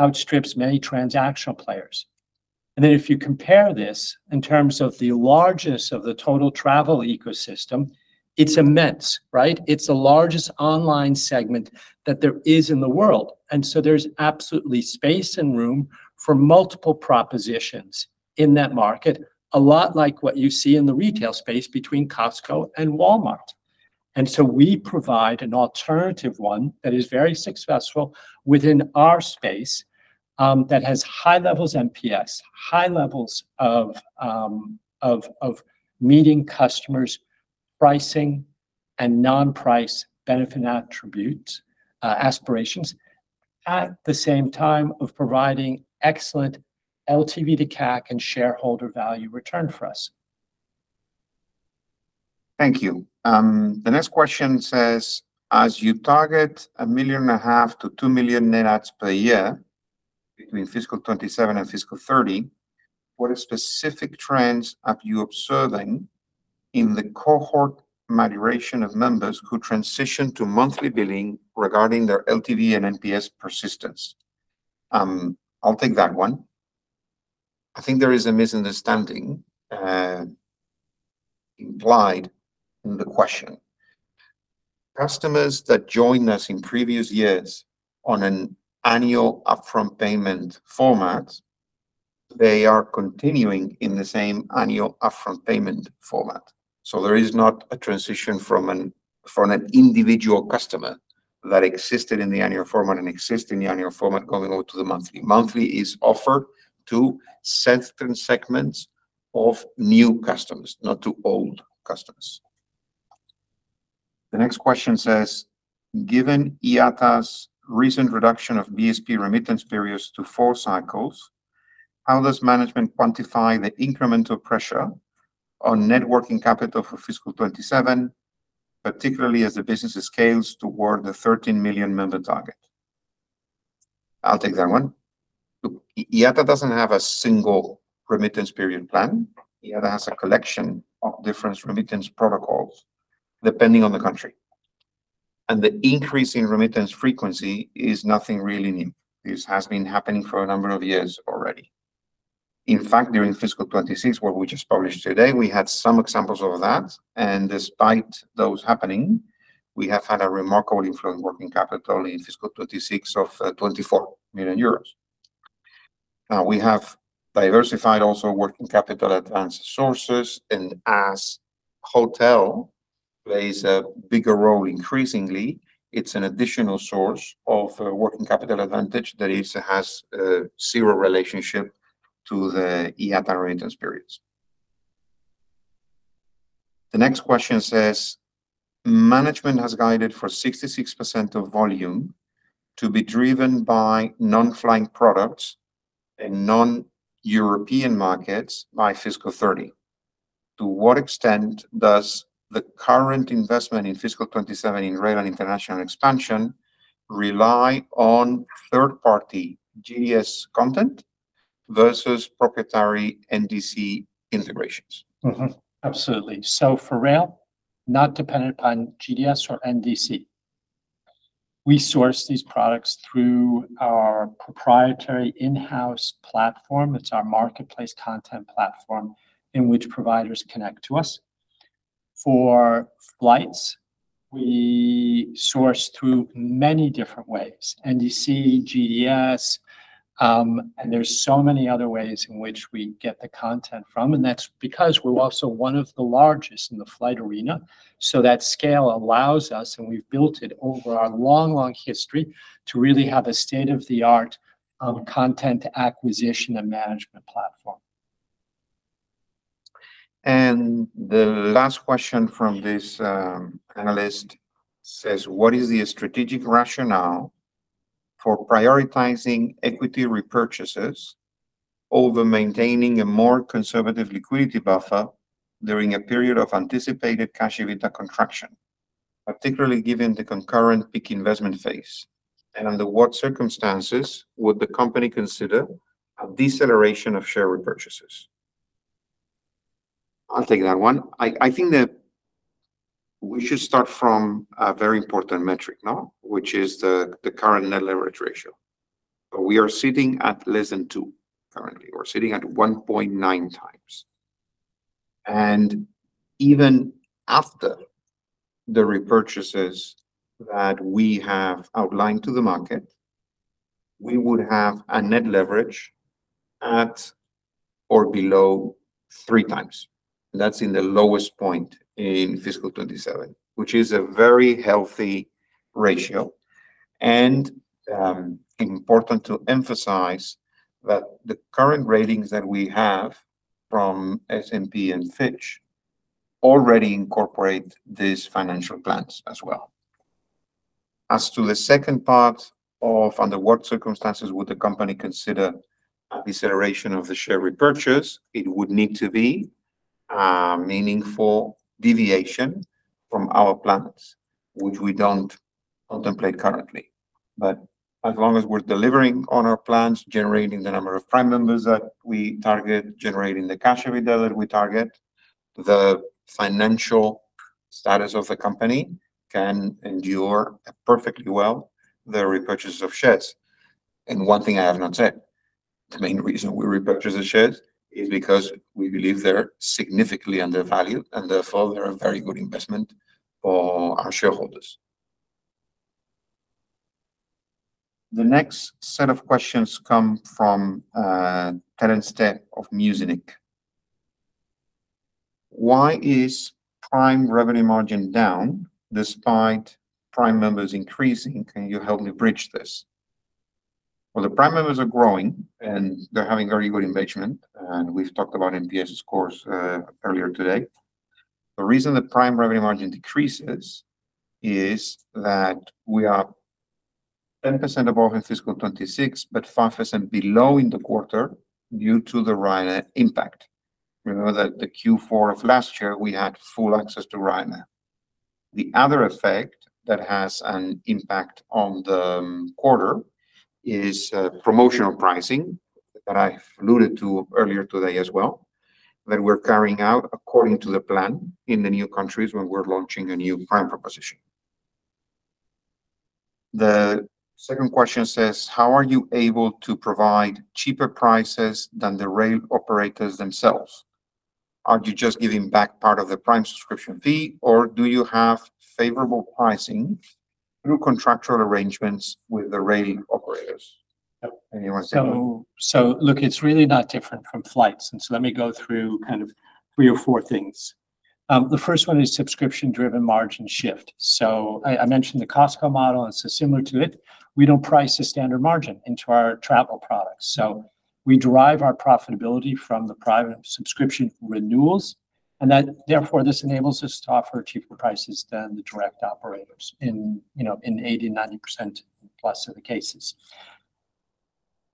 outstrips many transactional players. If you compare this in terms of the largest of the total travel ecosystem, it's immense, right. It's the largest online segment that there is in the world. There's absolutely space and room for multiple propositions in that market, a lot like what you see in the retail space between Costco and Walmart. We provide an alternative one that is very successful within our space, that has high levels of NPS, high levels of meeting customers' pricing and non-price benefit attributes, aspirations, at the same time of providing excellent LTV to CAC and shareholder value return for us. Thank you. The next question says, "As you target 1.5 million-2 million net adds per year between fiscal 2027 and fiscal 2030, what specific trends are you observing in the cohort maturation of members who transition to monthly billing regarding their LTV and NPS persistence?" I'll take that one. I think there is a misunderstanding implied in the question. Customers that joined us in previous years on an annual upfront payment format, they are continuing in the same annual upfront payment format. There is not a transition from an individual customer that existed in the annual format and exists in the annual format going over to the monthly. Monthly is offered to certain segments of new customers, not to old customers. The next question says, "Given IATA's recent reduction of BSP remittance periods to four cycles, how does management quantify the incremental pressure on net working capital for FY 2027, particularly as the business scales toward the 13 million member target?" I'll take that one. Look, IATA doesn't have a single remittance period plan. IATA has a collection of different remittance protocols depending on the country, and the increase in remittance frequency is nothing really new. This has been happening for a number of years already. In fact, during FY 2026, what we just published today, we had some examples of that. Despite those happening, we have had a remarkable influence on working capital in FY 2026 of 24 million euros. We have diversified also working capital advance sources, and as hotel plays a bigger role increasingly, it's an additional source of working capital advantage that it has zero relationship to the IATA arrangements periods. The next question says: Management has guided for 66% of volume to be driven by non-flying products in non-European markets by FY 2030. To what extent does the current investment in FY 2027 in rail and international expansion rely on third-party GDS content versus proprietary NDC integrations? Absolutely. For rail, not dependent upon GDS or NDC. We source these products through our proprietary in-house platform. It's our marketplace content platform in which providers connect to us. For flights, we source through many different ways, NDC, GDS, and there's so many other ways in which we get the content from, and that's because we're also one of the largest in the flight arena. That scale allows us, and we've built it over our long history, to really have a state-of-the-art content acquisition and management platform. The last question from this analyst says: What is the strategic rationale for prioritizing equity repurchases over maintaining a more conservative liquidity buffer during a period of anticipated cash EBITDA contraction, particularly given the concurrent peak investment phase? Under what circumstances would the company consider a deceleration of share repurchases? I'll take that one. I think that we should start from a very important metric now, which is the current net leverage ratio. We are sitting at less than two currently. We're sitting at 1.9x. Even after the repurchases that we have outlined to the market, we would have a net leverage at or below 3x. That's in the lowest point in FY 2027, which is a very healthy ratio. Important to emphasize that the current ratings that we have from S&P and Fitch already incorporate these financial plans as well. As to the second part of, under what circumstances would the company consider a deceleration of the share repurchase, it would need to be a meaningful deviation from our plans, which we don't contemplate currently. As long as we're delivering on our plans, generating the number of Prime members that we target, generating the cash EBITDA that we target, the financial status of the company can endure perfectly well the repurchase of shares. One thing I have not said, the main reason we repurchase the shares is because we believe they're significantly undervalued, and therefore they're a very good investment for our shareholders. The next set of questions come from Terence Teh of Muzinich. Why is Prime revenue margin down despite Prime members increasing? Can you help me bridge this? Well, the Prime members are growing, and they're having very good engagement, and we've talked about NPS scores earlier today. The reason the Prime revenue margin decreases is that we are 10% above in fiscal 2026, but 5% below in the quarter due to the Ryanair impact. Remember that the Q4 of last year, we had full access to Ryanair. The other effect that has an impact on the quarter is promotional pricing that I've alluded to earlier today as well, that we're carrying out according to the plan in the new countries when we're launching a new Prime proposition. The second question says: How are you able to provide cheaper prices than the rail operators themselves? Are you just giving back part of the Prime subscription fee, or do you have favorable pricing through contractual arrangements with the rail operators? Anyone say anything? Look, it's really not different from flights, and so let me go through three or four things. The first one is subscription-driven margin shift. I mentioned the Costco model, and so similar to it, we don't price a standard margin into our travel products. We derive our profitability from the Prime subscription renewals, and that therefore, this enables us to offer cheaper prices than the direct operators in 80%, 90%+ of the cases.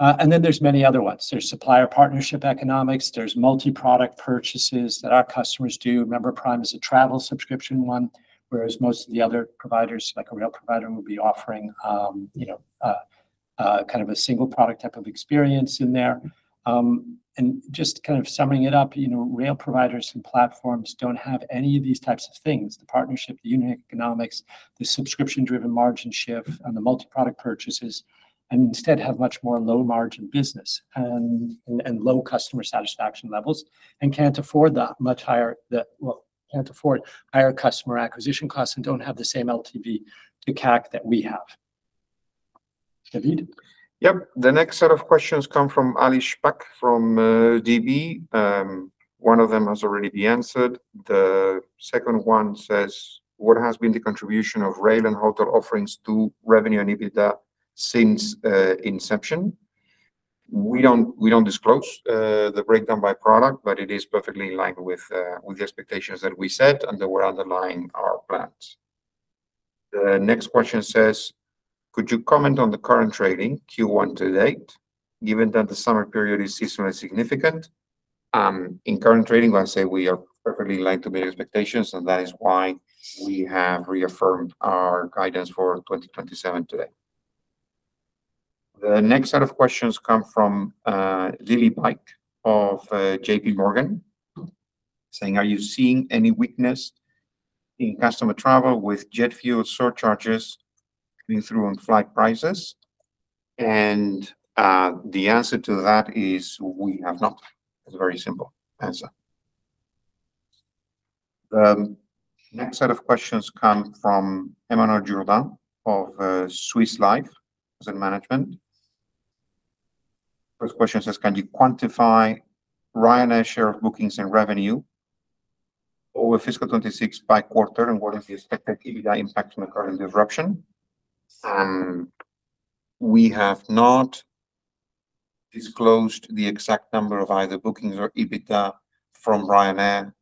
There's many other ones. There's supplier partnership economics, there's multi-product purchases that our customers do. Remember, Prime is a travel subscription one, whereas most of the other providers, like a rail provider, would be offering a single product type of experience in there. Just summing it up, rail providers and platforms don't have any of these types of things, the partnership, the unit economics, the subscription-driven margin shift, and the multi-product purchases, and instead have much more low-margin business, and low customer satisfaction levels, and can't afford higher customer acquisition costs and don't have the same LTV to CAC that we have David? Yep. The next set of questions come from Alice Shpak from DB. One of them has already been answered. The second one says, "What has been the contribution of rail and hotel offerings to revenue and EBITDA since inception?" We don't disclose the breakdown by product, but it is perfectly in line with the expectations that we set and that will underline our plans. The next question says, "Could you comment on the current trading Q1 to-date, given that the summer period is seasonally significant?" In current trading, I'd say we are perfectly in line to meet expectations, and that is why we have reaffirmed our guidance for 2027 today. The next set of questions come from Lily Pike of JPMorgan, saying, "Are you seeing any weakness in customer travel with jet fuel surcharges coming through on flight prices?" The answer to that is we have not. It's a very simple answer. The next set of questions come from Emmanuel Jourdan of Swiss Life Asset Management. First question says, "Can you quantify Ryanair share of bookings and revenue over fiscal 2026 by quarter, and what is the expected EBITDA impact from the current disruption?" We have not disclosed the exact number of either bookings or EBITDA from Ryanair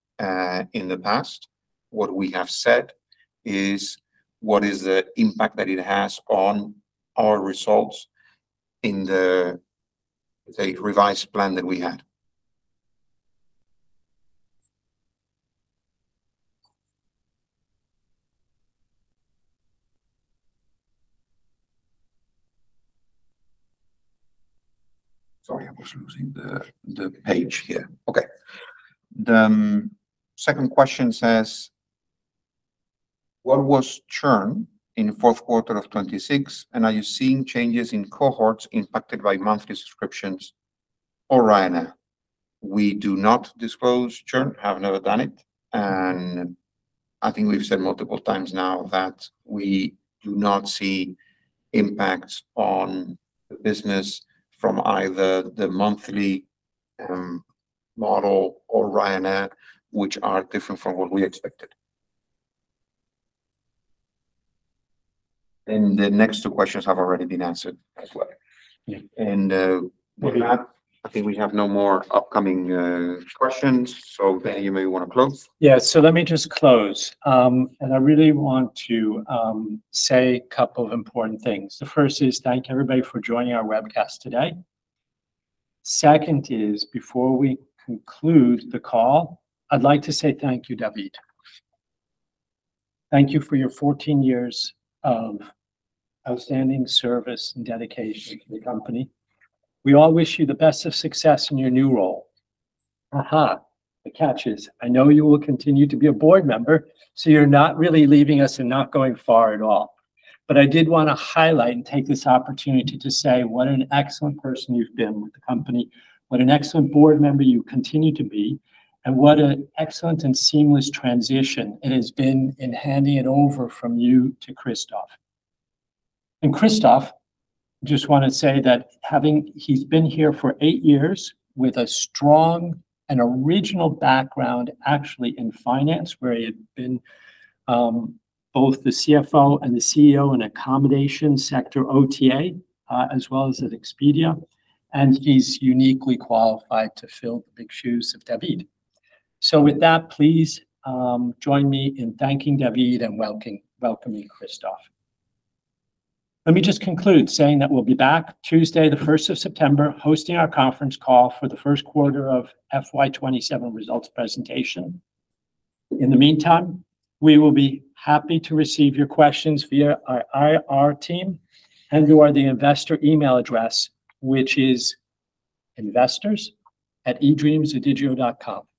in the past. What we have said is what is the impact that it has on our results in the revised plan that we had. Sorry, I was losing the page here. Okay. The second question says, "What was churn in fourth quarter of 2026, and are you seeing changes in cohorts impacted by monthly subscriptions or Ryanair?" We do not disclose churn, have never done it, and I think we've said multiple times now that we do not see impacts on the business from either the monthly model or Ryanair, which are different from what we expected. The next two questions have already been answered as well. Yeah. With that, I think we have no more upcoming questions. Dana, you maybe want to close? Yeah. Let me just close. I really want to say a couple of important things. The first is thank everybody for joining our webcast today. Second is, before we conclude the call, I'd like to say thank you, David. Thank you for your 14 years of outstanding service and dedication to the company. We all wish you the best of success in your new role. The catch is, I know you will continue to be a board member, so you're not really leaving us and not going far at all. I did want to highlight and take this opportunity to say what an excellent person you've been with the company, what an excellent board member you continue to be, and what an excellent and seamless transition it has been in handing it over from you to Christoph. Christoph, just want to say that he's been here for eight years with a strong and original background, actually in finance, where he had been both the CFO and the CEO in accommodation sector, OTA, as well as at Expedia. He's uniquely qualified to fill the big shoes of David. With that, please join me in thanking David and welcoming Christoph. Let me just conclude saying that we'll be back Tuesday, the 1st of September, hosting our conference call for the first quarter of FY 2027 results presentation. In the meantime, we will be happy to receive your questions via our IR team and via the investor email address, which is investors@edreamsodigeo.com. Bye.